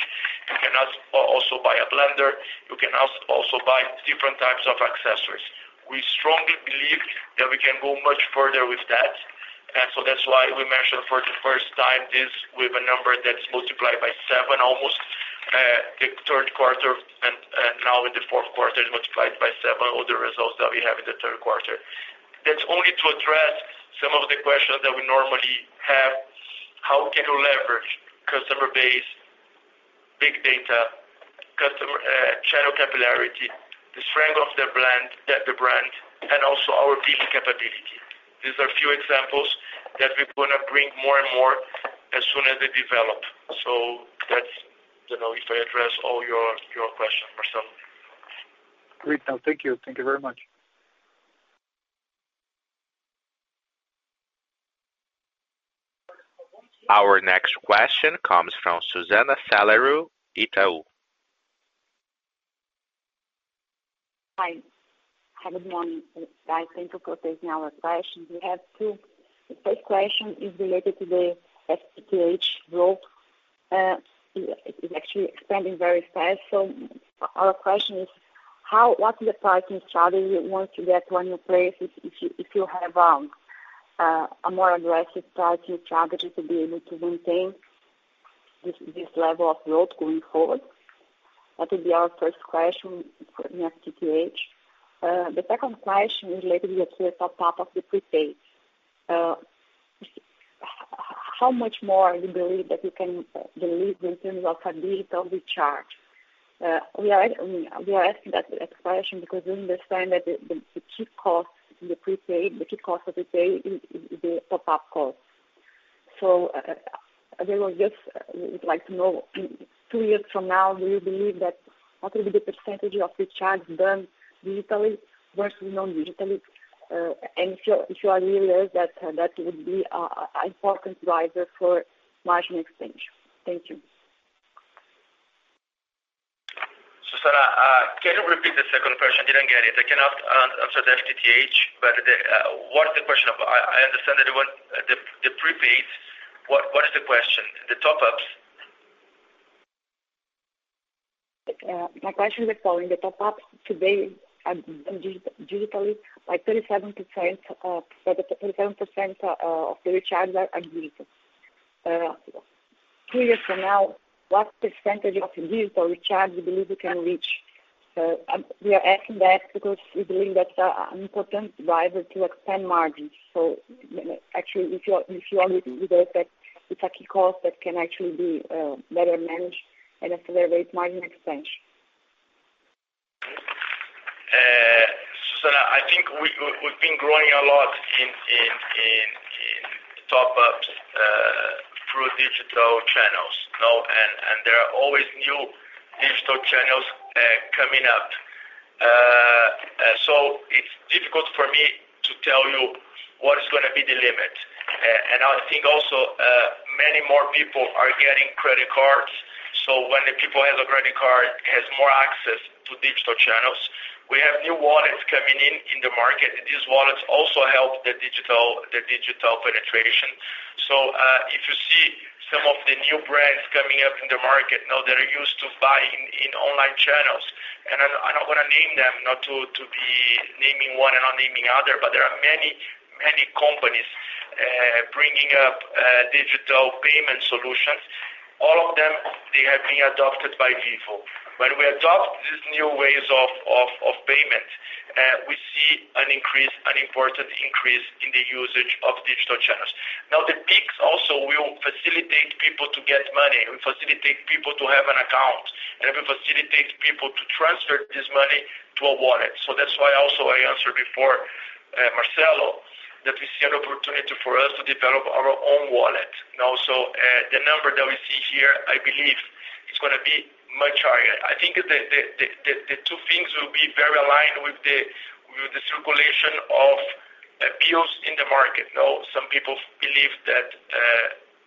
You can also buy a blender. You can also buy different types of accessories. We strongly believe that we can go much further with that. That's why we mentioned for the first time this with a number that's multiplied by seven almost, the third quarter and now in the fourth quarter is multiplied by seven, all the results that we have in the third quarter. That's only to address some of the questions that we normally have. How can you leverage customer base, big data, customer channel capillarity, the strength of the brand, and also our digital capability? These are few examples that we're going to bring more and more as soon as they develop. That's, if I address all your question, Marcelo. Great. No, thank you. Thank you very much. Our next question comes from Susana Salaru, Itaú. Hi. Good morning, guys. Thank you for taking our questions. We have two. The first question is related to the FTTH rollout. It is actually expanding very fast. Our question is, what is the pricing strategy once you get to a new place, if you have a more aggressive pricing strategy to be able to maintain this level of growth going forward? That will be our first question in FTTH. The second question is related to the top-up of the prepaid. How much more you believe that you can deliver in terms of a digital recharge? We are asking that question because we understand that the key cost in the prepaid, the key cost of the day is the top-up cost. We just would like to know, two years from now, do you believe that what will be the percentage of recharge done digitally versus non-digitally? If you are really there, that would be an important driver for margin expansion. Thank you. Susana, can you repeat the second question? Didn't get it. I cannot answer the FTTH, but what's the question? I understand the prepaid. What is the question? The top-ups? My question is the following. The top-ups today digitally, 37% of the recharges are digital. Two years from now, what percentage of digital recharge you believe you can reach? We are asking that because we believe that's an important driver to expand margins. Actually, if you are looking at that, it's a key cost that can actually be better managed and accelerate margin expansion. Susana, I think we've been growing a lot in top-ups through digital channels. There are always new digital channels coming up. It's difficult for me to tell you what is going to be the limit. I think also many more people are getting credit cards. When the people have a credit card, has more access to digital channels. We have new wallets coming in in the market. These wallets also help the digital penetration. If you see some of the new brands coming up in the market, they're used to buying in online channels. I don't want to name them, not to be naming one and not naming other, but there are many companies bringing up digital payment solutions. All of them, they have been adopted by Vivo. When we adopt these new ways of payment, we see an important increase in the usage of digital channels. The Pix also will facilitate people to get money. It facilitate people to have an account, and it facilitate people to transfer this money to a wallet. That's why also I answered before, Marcelo, that we see an opportunity for us to develop our own wallet. The number that we see here, I believe is going to be much higher. I think the two things will be very aligned with the circulation of bills in the market. Some people believe that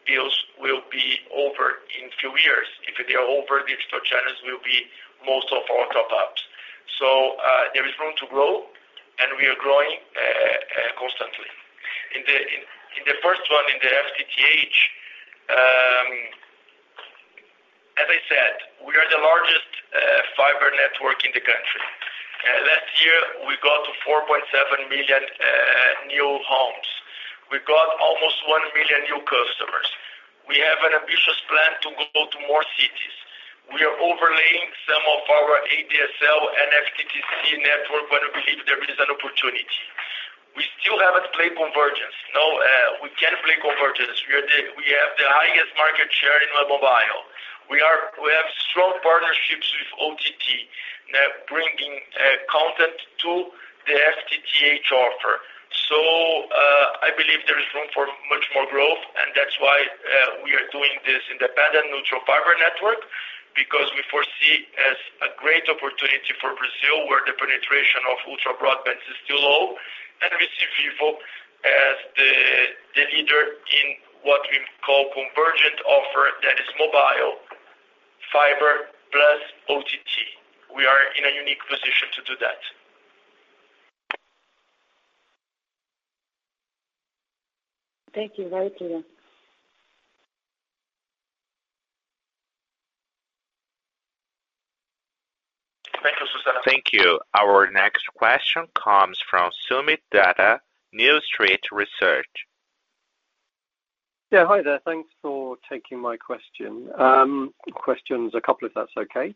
bills will be over in a few years. If they are over, digital channels will be most of our top-ups. There is room to grow, and we are growing constantly. In the first one, in the FTTH, as I said, we are the largest fiber network in the country. Last year, we got to 4.7 million new homes. We got almost 1 million new customers. We have an ambitious plan to go to more cities. We are overlaying some of our ADSL and FTTC network where we believe there is an opportunity. We still haven't played convergence. We can play convergence. We have the highest market share in mobile. We have strong partnerships with OTT bringing content to the FTTH offer. I believe there is room for much more growth, and that's why we are doing this independent neutral fiber network because we foresee as a great opportunity for Brazil, where the penetration of ultra broadband is still low, and we see Vivo as the leader in what we call convergent offer that is mobile, fiber plus OTT. We are in a unique position to do that. Thank you. Very clear. Thank you, Susana. Thank you. Our next question comes from Soomit Datta, New Street Research. Yeah. Hi there. Thanks for taking my questions, a couple, if that's okay.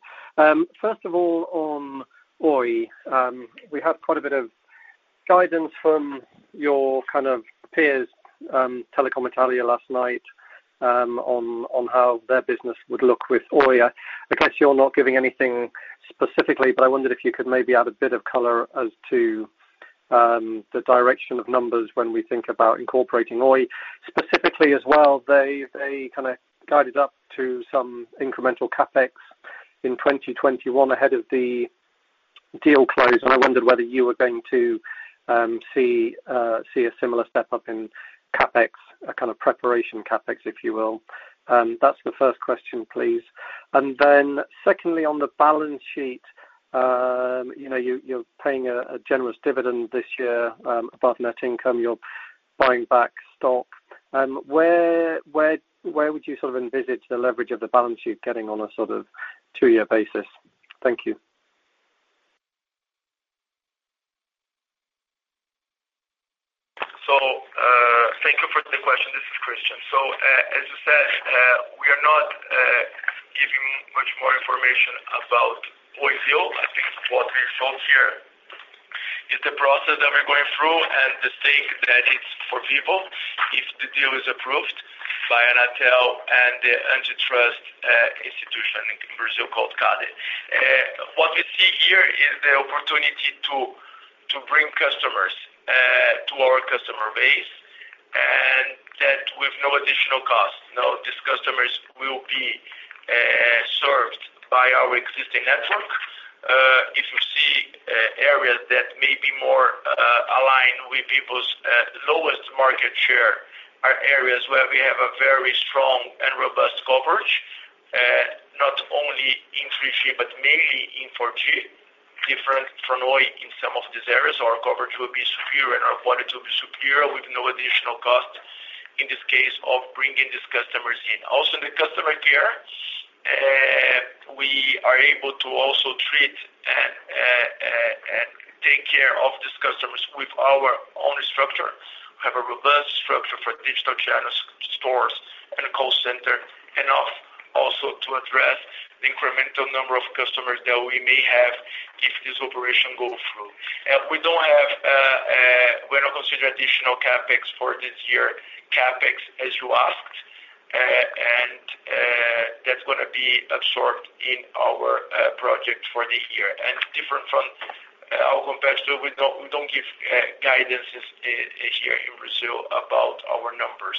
First of all, on Oi, we had quite a bit of guidance from your peers, Telecom Italia, last night, on how their business would look with Oi. I guess you're not giving anything specifically, I wondered if you could maybe add a bit of color as to the direction of numbers when we think about incorporating Oi. Specifically as well, they've guided up to some incremental CapEx in 2021 ahead of the deal close, I wondered whether you were going to see a similar step-up in CapEx, a kind of preparation CapEx, if you will. That's the first question, please. Secondly, on the balance sheet, you're paying a generous dividend this year above net income. You're buying back stock. Where would you envisage the leverage of the balance sheet getting on a sort of two-year basis? Thank you. Thank you for the question. This is Christian. As you said, we are not giving much more information about Oi deal. I think what we show here is the process that we're going through and the stake that it's for people, if the deal is approved by Anatel and the antitrust institution in Brazil called CADE. What we see here is the opportunity to bring customers to our customer base, and that with no additional cost. These customers will be served by our existing network. If you see areas that may be more aligned with Oi's lowest market share are areas where we have a very strong and robust coverage, not only in 3G but mainly in 4G. Different from Oi in some of these areas, our coverage will be superior and our quality will be superior with no additional cost, in this case, of bringing these customers in. In the customer care, we are able to also treat and take care of these customers with our own structure. We have a robust structure for digital channels, stores and a call center enough also to address the incremental number of customers that we may have if this operation go through. We're not considering additional CapEx for this year. CapEx, as you asked, that's going to be absorbed in our project for the year. Different from our competitor, we don't give guidances here in Brazil about our numbers.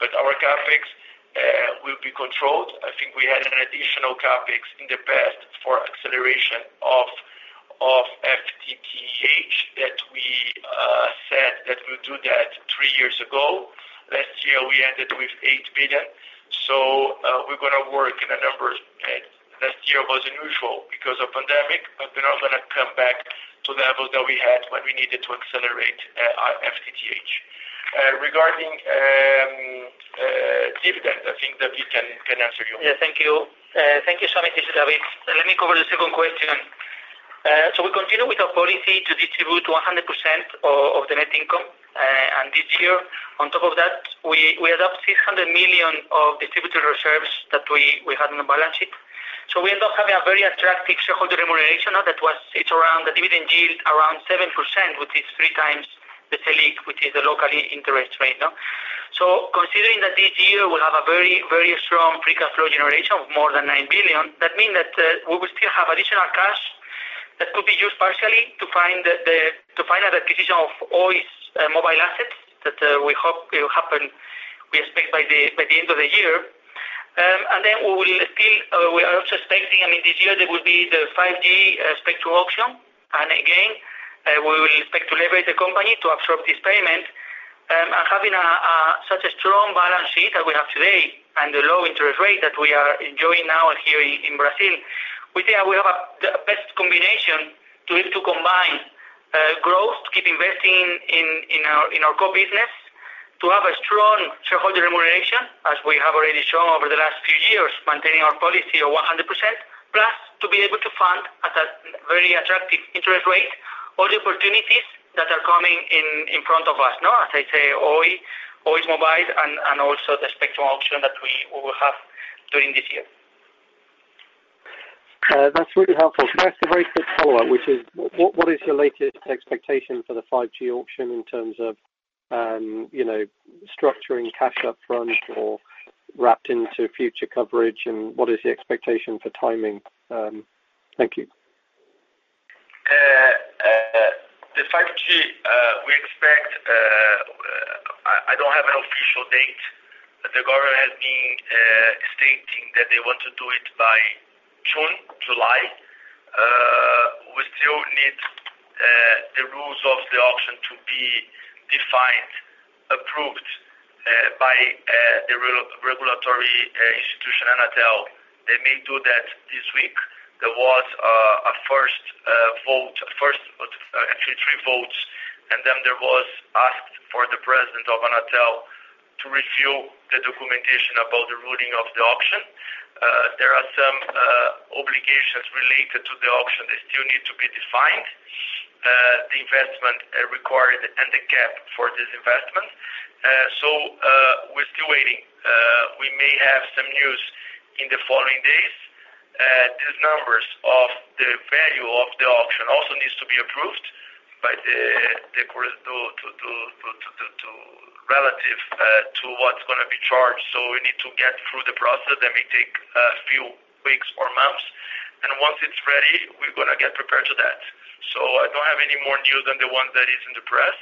Our CapEx will be controlled. I think we had an additional CapEx in the past for acceleration of FTTH that we said that we'll do that three years ago. Last year, we ended with 8 billion. We're going to work in the numbers. Last year was unusual because of pandemic. We're now going to come back to level that we had when we needed to accelerate our FTTH. Regarding dividend, I think that David can answer you. Yeah. Thank you. Thank you so much, David. Let me cover the second question. We continue with our policy to distribute 100% of the net income. This year, on top of that, we had 600 million of distributor reserves that we had on the balance sheet. We end up having a very attractive shareholder remuneration that it's around the dividend yield around 7%, which is 3x the Selic, which is the local interest rate. Considering that this year we'll have a very strong free cash flow generation of more than 9 billion, that mean that we will still have additional cash that could be used partially to find an acquisition of Oi's mobile assets that we hope will happen, we expect by the end of the year. We are also expecting, I mean, this year there will be the 5G spectrum auction. Again, we will expect to leverage the company to absorb this payment. Having such a strong balance sheet that we have today and the low interest rate that we are enjoying now here in Brazil, we think that we have a best combination to combine growth, to keep investing in our core business, to have a strong shareholder remuneration, as we have already shown over the last few years, maintaining our policy of 100%+ to be able to fund at a very attractive interest rate all the opportunities that are coming in front of us. As I say, Oi's mobile, and also the spectrum auction that we will have during this year. That's really helpful. Can I ask a very quick follow-up, which is, what is your latest expectation for the 5G auction in terms of structuring cash up front or wrapped into future coverage, and what is the expectation for timing? Thank you. The 5G, we expect, I don't have an official date, but the government has been stating that they want to do it by June, July. We still need the rules of the auction to be defined, approved by the regulatory institution, Anatel. They may do that this week. There was a first vote, actually three votes, and then there was asked for the president of Anatel to review the documentation about the ruling of the auction. There are some obligations related to the auction that still need to be defined. The investment required and the gap for this investment. We're still waiting. We may have some news in the following days. These numbers of the value of the auction also needs to be approved relative to what's going to be charged. We need to get through the process. That may take a few weeks or months. Once it's ready, we're going to get prepared for that. I don't have any more news than the one that is in the press.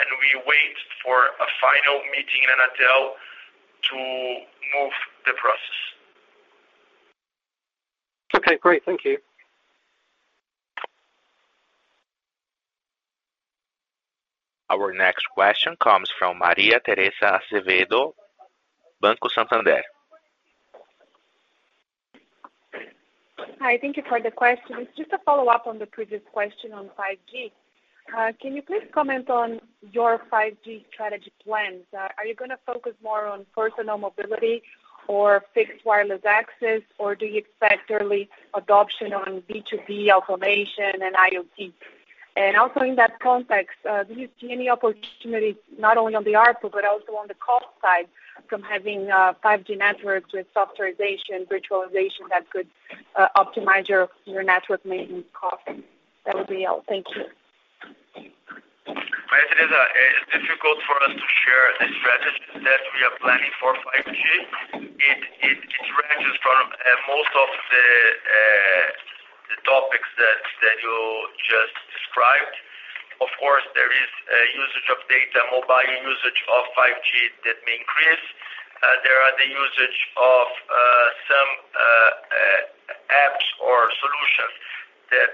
We wait for a final meeting in Anatel to move the process. Okay, great. Thank you. Our next question comes from Maria Tereza Azevedo, Banco Santander. Hi, thank you for the question. It's just a follow-up on the previous question on 5G. Can you please comment on your 5G strategy plans? Are you going to focus more on personal mobility or fixed wireless access, or do you expect early adoption on B2B automation and IoT? Also in that context, do you see any opportunities not only on the revenue but also on the cost side from having 5G networks with softwarization, virtualization that could optimize your network maintenance cost? That would be all. Thank you. Maria Tereza, it's difficult for us to share the strategies that we are planning for 5G. It ranges from most of the topics that you just described. Of course, there is a usage of data, mobile usage of 5G that may increase. There is the usage of some apps or solutions that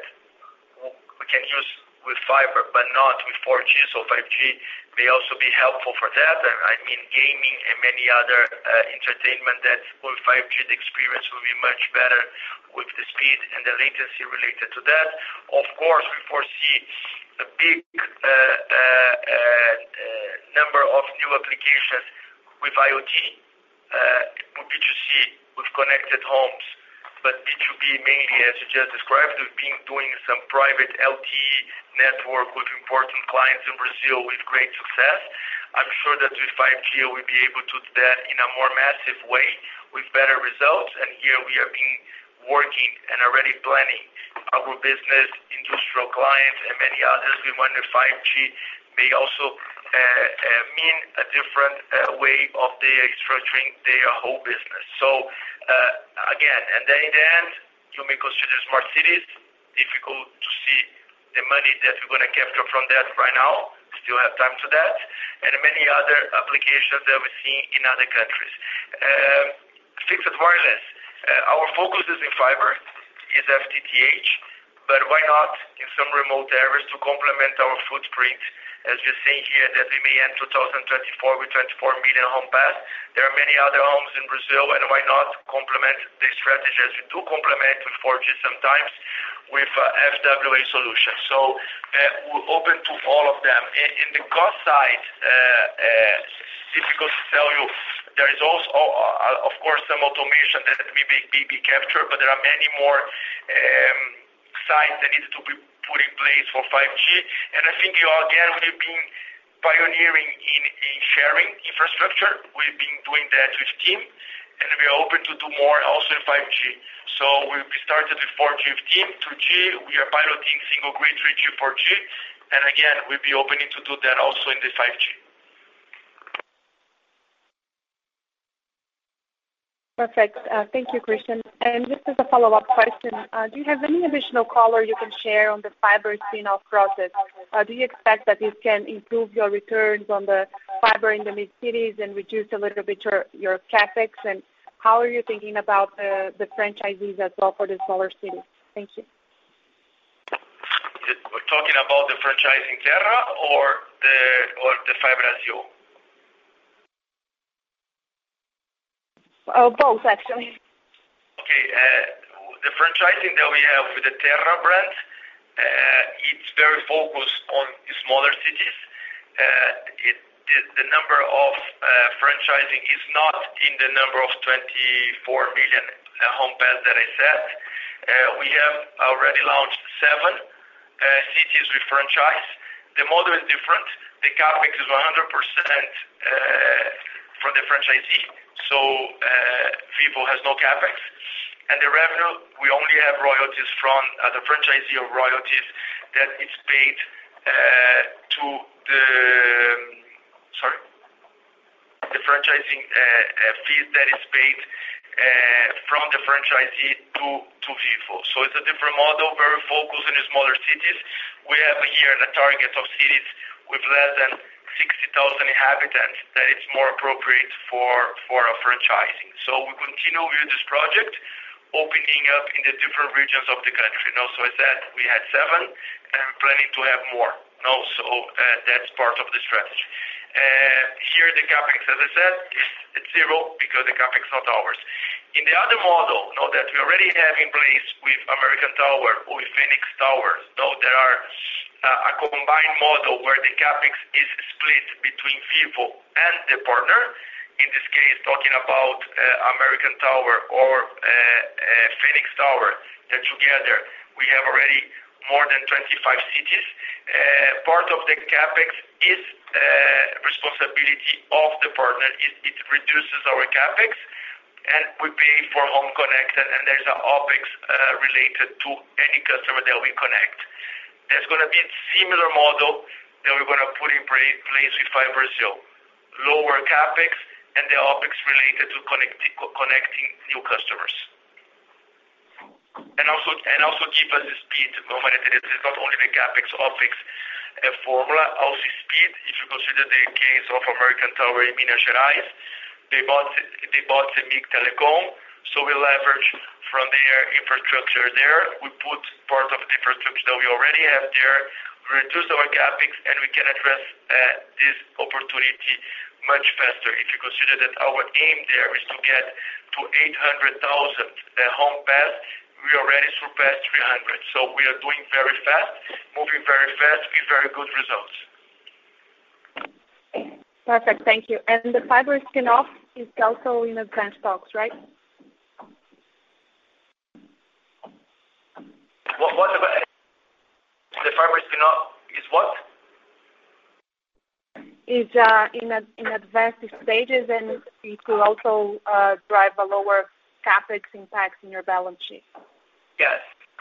we can use with fiber but not with 4G. So 5G may also be helpful for that. I mean, gaming and many other entertainment that with 5G, the experience will be much better with the speed and the latency related to that. Of course, we foresee a big number of new applications with IoT, with B2C, with connected homes. But B2B mainly, as you just described, we've been doing some private LTE network with important clients in Brazil with great success. I'm sure that with 5G, we'll be able to do that in a more massive way with better results. Here we have been working and already planning our business, industrial clients, and many others. We wonder if 5G may also mean a different way of restructuring their whole business. Again, in the end, you may consider smart cities difficult to see the money that we're going to capture from that right now. Still have time for that. Many other applications that we're seeing in other countries. Fixed wireless. Our focus is in fiber, is FTTH. Why not in some remote areas to complement our footprint, as you're seeing here, that we may end 2024 with 24 million home passed. There are many other homes in Brazil. Why not complement the strategy as we do complement with 4G sometimes with FWA solutions. We're open to all of them. In the cost side, difficult to tell you. There is also, of course, some automation that may be captured, but there are many more sites that need to be put in place for 5G. I think you all, again, we've been pioneering in sharing infrastructure. We've been doing that with TIM, and we are open to do more also in 5G. We started with 4G with TIM, 2G. We are piloting single grid, 3G, 4G. Again, we'll be opening to do that also in the 5G. Perfect. Thank you, Christian. Just as a follow-up question, do you have any additional color you can share on the fiber spin-off process? Do you expect that this can improve your returns on the fiber in the mid-cities and reduce a little bit your CapEx? How are you thinking about the franchisees as well for the smaller cities? Thank you. We're talking about the franchising Terra or the FiBrasil? Both, actually. Okay. The franchising that we have with the Terra brand, it is very focused on smaller cities. The number of franchising is not in the number of 24 million home passed that I said. We have already launched seven cities with franchise. The model is different. The CapEx is 100% for the franchisee, so Vivo has no CapEx. The revenue, we only have royalties from the franchisee or the franchising fee that is paid from the franchisee to Vivo. It is a different model, very focused in smaller cities. We have here the target of cities with less than 60,000 inhabitants that it is more appropriate for a franchising. We continue with this project, opening up in the different regions of the country. Also, I said we had seven, and we are planning to have more. That is part of the strategy. Here, the CapEx, as I said, it's zero because the CapEx is not ours. In the other model that we already have in place with American Tower, with Phoenix Tower. There is a combined model where the CapEx is split between Vivo and the partner. In this case, talking about American Tower or Phoenix Tower, that together we have already more than 25 cities. Part of the CapEx is responsibility of the partner. It reduces our CapEx, and we pay for home connects, and there's an OpEx related to any customer that we connect. There's going to be a similar model that we're going to put in place with FiBrasil. Lower CapEx and the OpEx related to connecting new customers. Also give us speed, Maria Tereza, it's not only the CapEx, OpEx formula, also speed. If you consider the case of American Tower in Minas Gerais, they bought Cemig Telecom, so we leverage from their infrastructure there. We put part of the infrastructure that we already have there, reduce our CapEx, and we can address this opportunity much faster. If you consider that our aim there is to get to 800,000 home passed, we already surpassed 300. We are doing very fast, moving very fast with very good results. Perfect. Thank you. The fiber spinoff is also in advanced talks, right? What about the fiber spinoff is what? Is in advanced stages and it will also drive a lower CapEx impact in your balance sheet. Yes.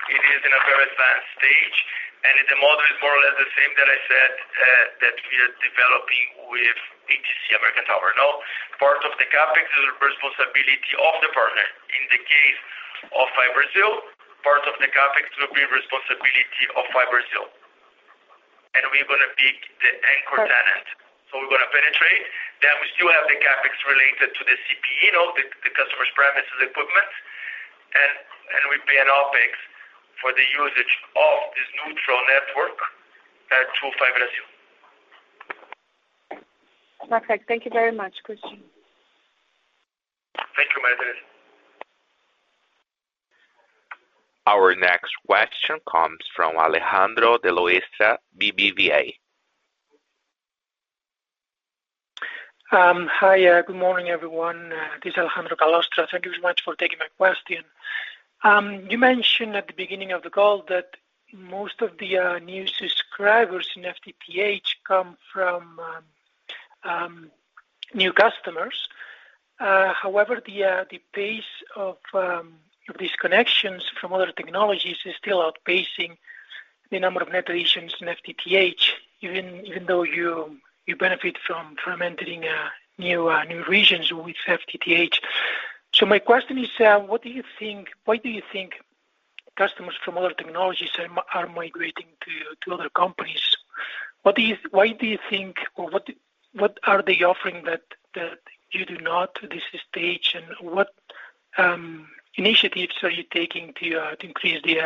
It is in a very advanced stage. The model is more or less the same that I said that we are developing with ATC, American Tower. Part of the CapEx is the responsibility of the partner. In the case of FiBrasil, part of the CapEx will be responsibility of FiBrasil. We're going to be the anchor tenant. We're going to penetrate, then we still have the CapEx related to the CPE, the customer's premises equipment, and we pay an OpEx for the usage of this neutral network to FiBrasil. Perfect. Thank you very much, Christian. Thank you, Maria Tereza. Our next question comes from Alejandro de Luis, BBVA. Hi. Good morning, everyone. This is Alejandro de Luis. Thank you so much for taking my question. You mentioned at the beginning of the call that most of the new subscribers in FTTH come from new customers. The pace of these connections from other technologies is still outpacing the number of penetrations in FTTH, even though you benefit from entering new regions with FTTH. My question is, why do you think customers from other technologies are migrating to other companies? Why do you think, or what are they offering that you do not at this stage, and what initiatives are you taking to increase the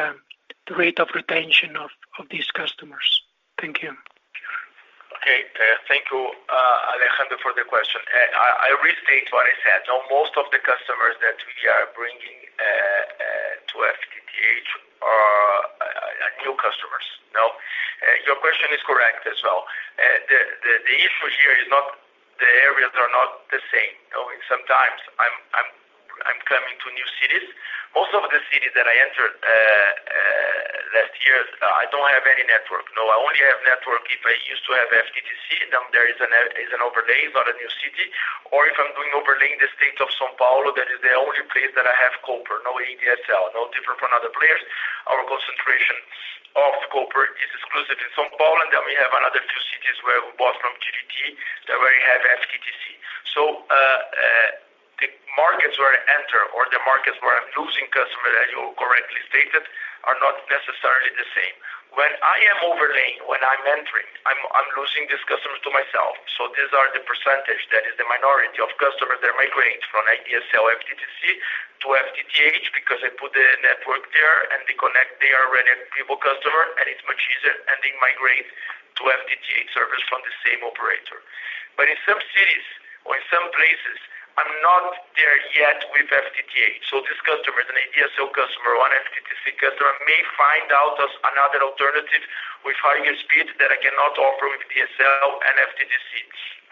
rate of retention of these customers? Thank you. Okay. Thank you, Alejandro, for the question. I restate what I said. Most of the customers that we are bringing to FTTH are new customers. Your question is correct as well. The issue here is the areas are not the same. Sometimes I'm coming to new cities. Most of the cities that I entered last year, I don't have any network. I only have network if I used to have FTTC, then there is an overlay. It's not a new city. If I'm doing overlay in the state of São Paulo, that is the only place that I have copper. No ADSL, no different from other players. Our concentration of copper is exclusive in São Paulo, and then we have another few cities where we bought from GVT that already have FTTC. The markets where I enter or the markets where I'm losing customers, as you correctly stated, are not necessarily the same. When I am overlaying, when I'm entering, I'm losing these customers to myself. These are the percentage that is the minority of customers that migrate from ADSL, FTTC to FTTH because I put the network there and they connect. They are already a Vivo customer and it's much easier, and they migrate to FTTH service from the same operator. In some cities or in some places, I'm not there yet with FTTH. This customer is an ADSL customer or an FTTC customer may find out there's another alternative with higher speed that I cannot offer with DSL and FTTC.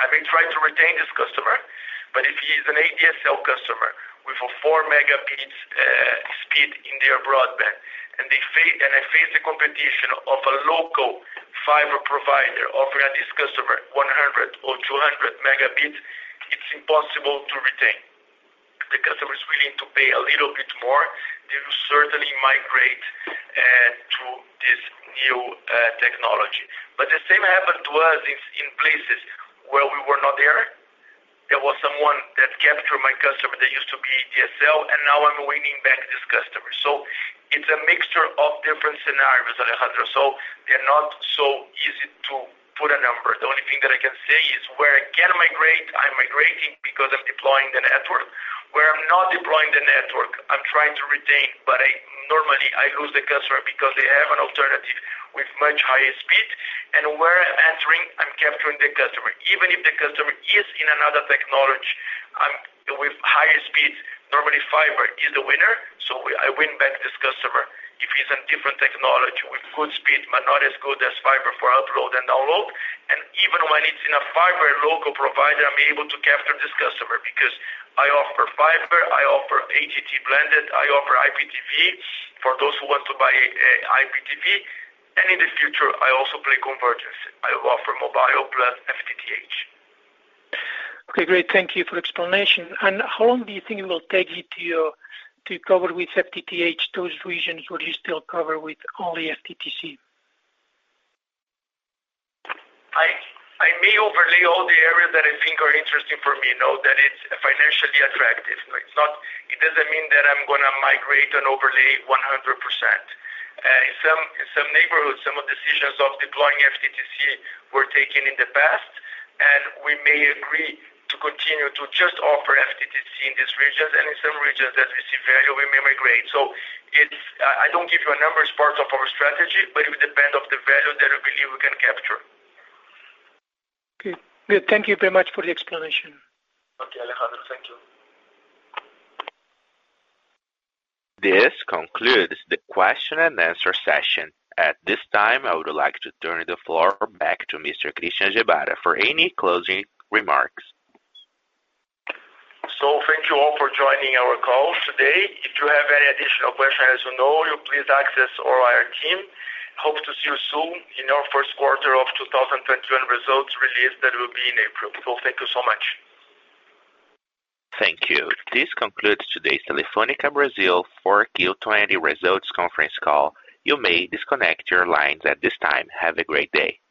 I may try to retain this customer, but if he is an ADSL customer with a four megabits speed in their broadband and I face the competition of a local fiber provider offering this customer 100 Mb or 200 Mb, it's impossible to retain. The customer is willing to pay a little bit more. They will certainly migrate to this new technology. The same happened to us in places where we were not there. There was someone that captured my customer that used to be DSL, and now I'm winning back this customer. It's a mixture of different scenarios, Alejandro. They're not so easy to put a number. The only thing that I can say is where I can migrate, I'm migrating because I'm deploying the network. Where I'm not deploying the network, I'm trying to retain, but normally I lose the customer because they have an alternative with much higher speed. Where I'm entering, I'm capturing the customer, even if the customer is in another technology with higher speed, normally fiber is the winner, so I win back this customer. If it's a different technology with good speed, but not as good as fiber for upload and download, and even when it's in a fiber local provider, I'm able to capture this customer because I offer fiber, I offer OTT blended, I offer IPTV for those who want to buy IPTV. In the future, I also play convergence. I offer mobile plus FTTH. Okay, great. Thank you for explanation. How long do you think it will take you to cover with FTTH those regions where you still cover with only FTTC? I may overlay all the areas that I think are interesting for me now that it's financially attractive. It doesn't mean that I'm going to migrate and overlay 100%. In some neighborhoods, some of decisions of deploying FTTC were taken in the past, and we may agree to continue to just offer FTTC in these regions. In some regions that we see value, we may migrate. I don't give you a number as part of our strategy, but it will depend on the value that I believe we can capture. Okay. Good. Thank you very much for the explanation. Okay, Alejandro. Thank you. This concludes the question and answer session. At this time, I would like to turn the floor back to Mr. Christian Gebara for any closing remarks. Thank you all for joining our call today. If you have any additional questions, as you know, you please access or IR team. Hope to see you soon in our first quarter of 2021 results release that will be in April. Thank you so much. Thank you. This concludes today's Telefônica Brasil 4Q20 Results Conference Call. You may disconnect your lines at this time. Have a great day.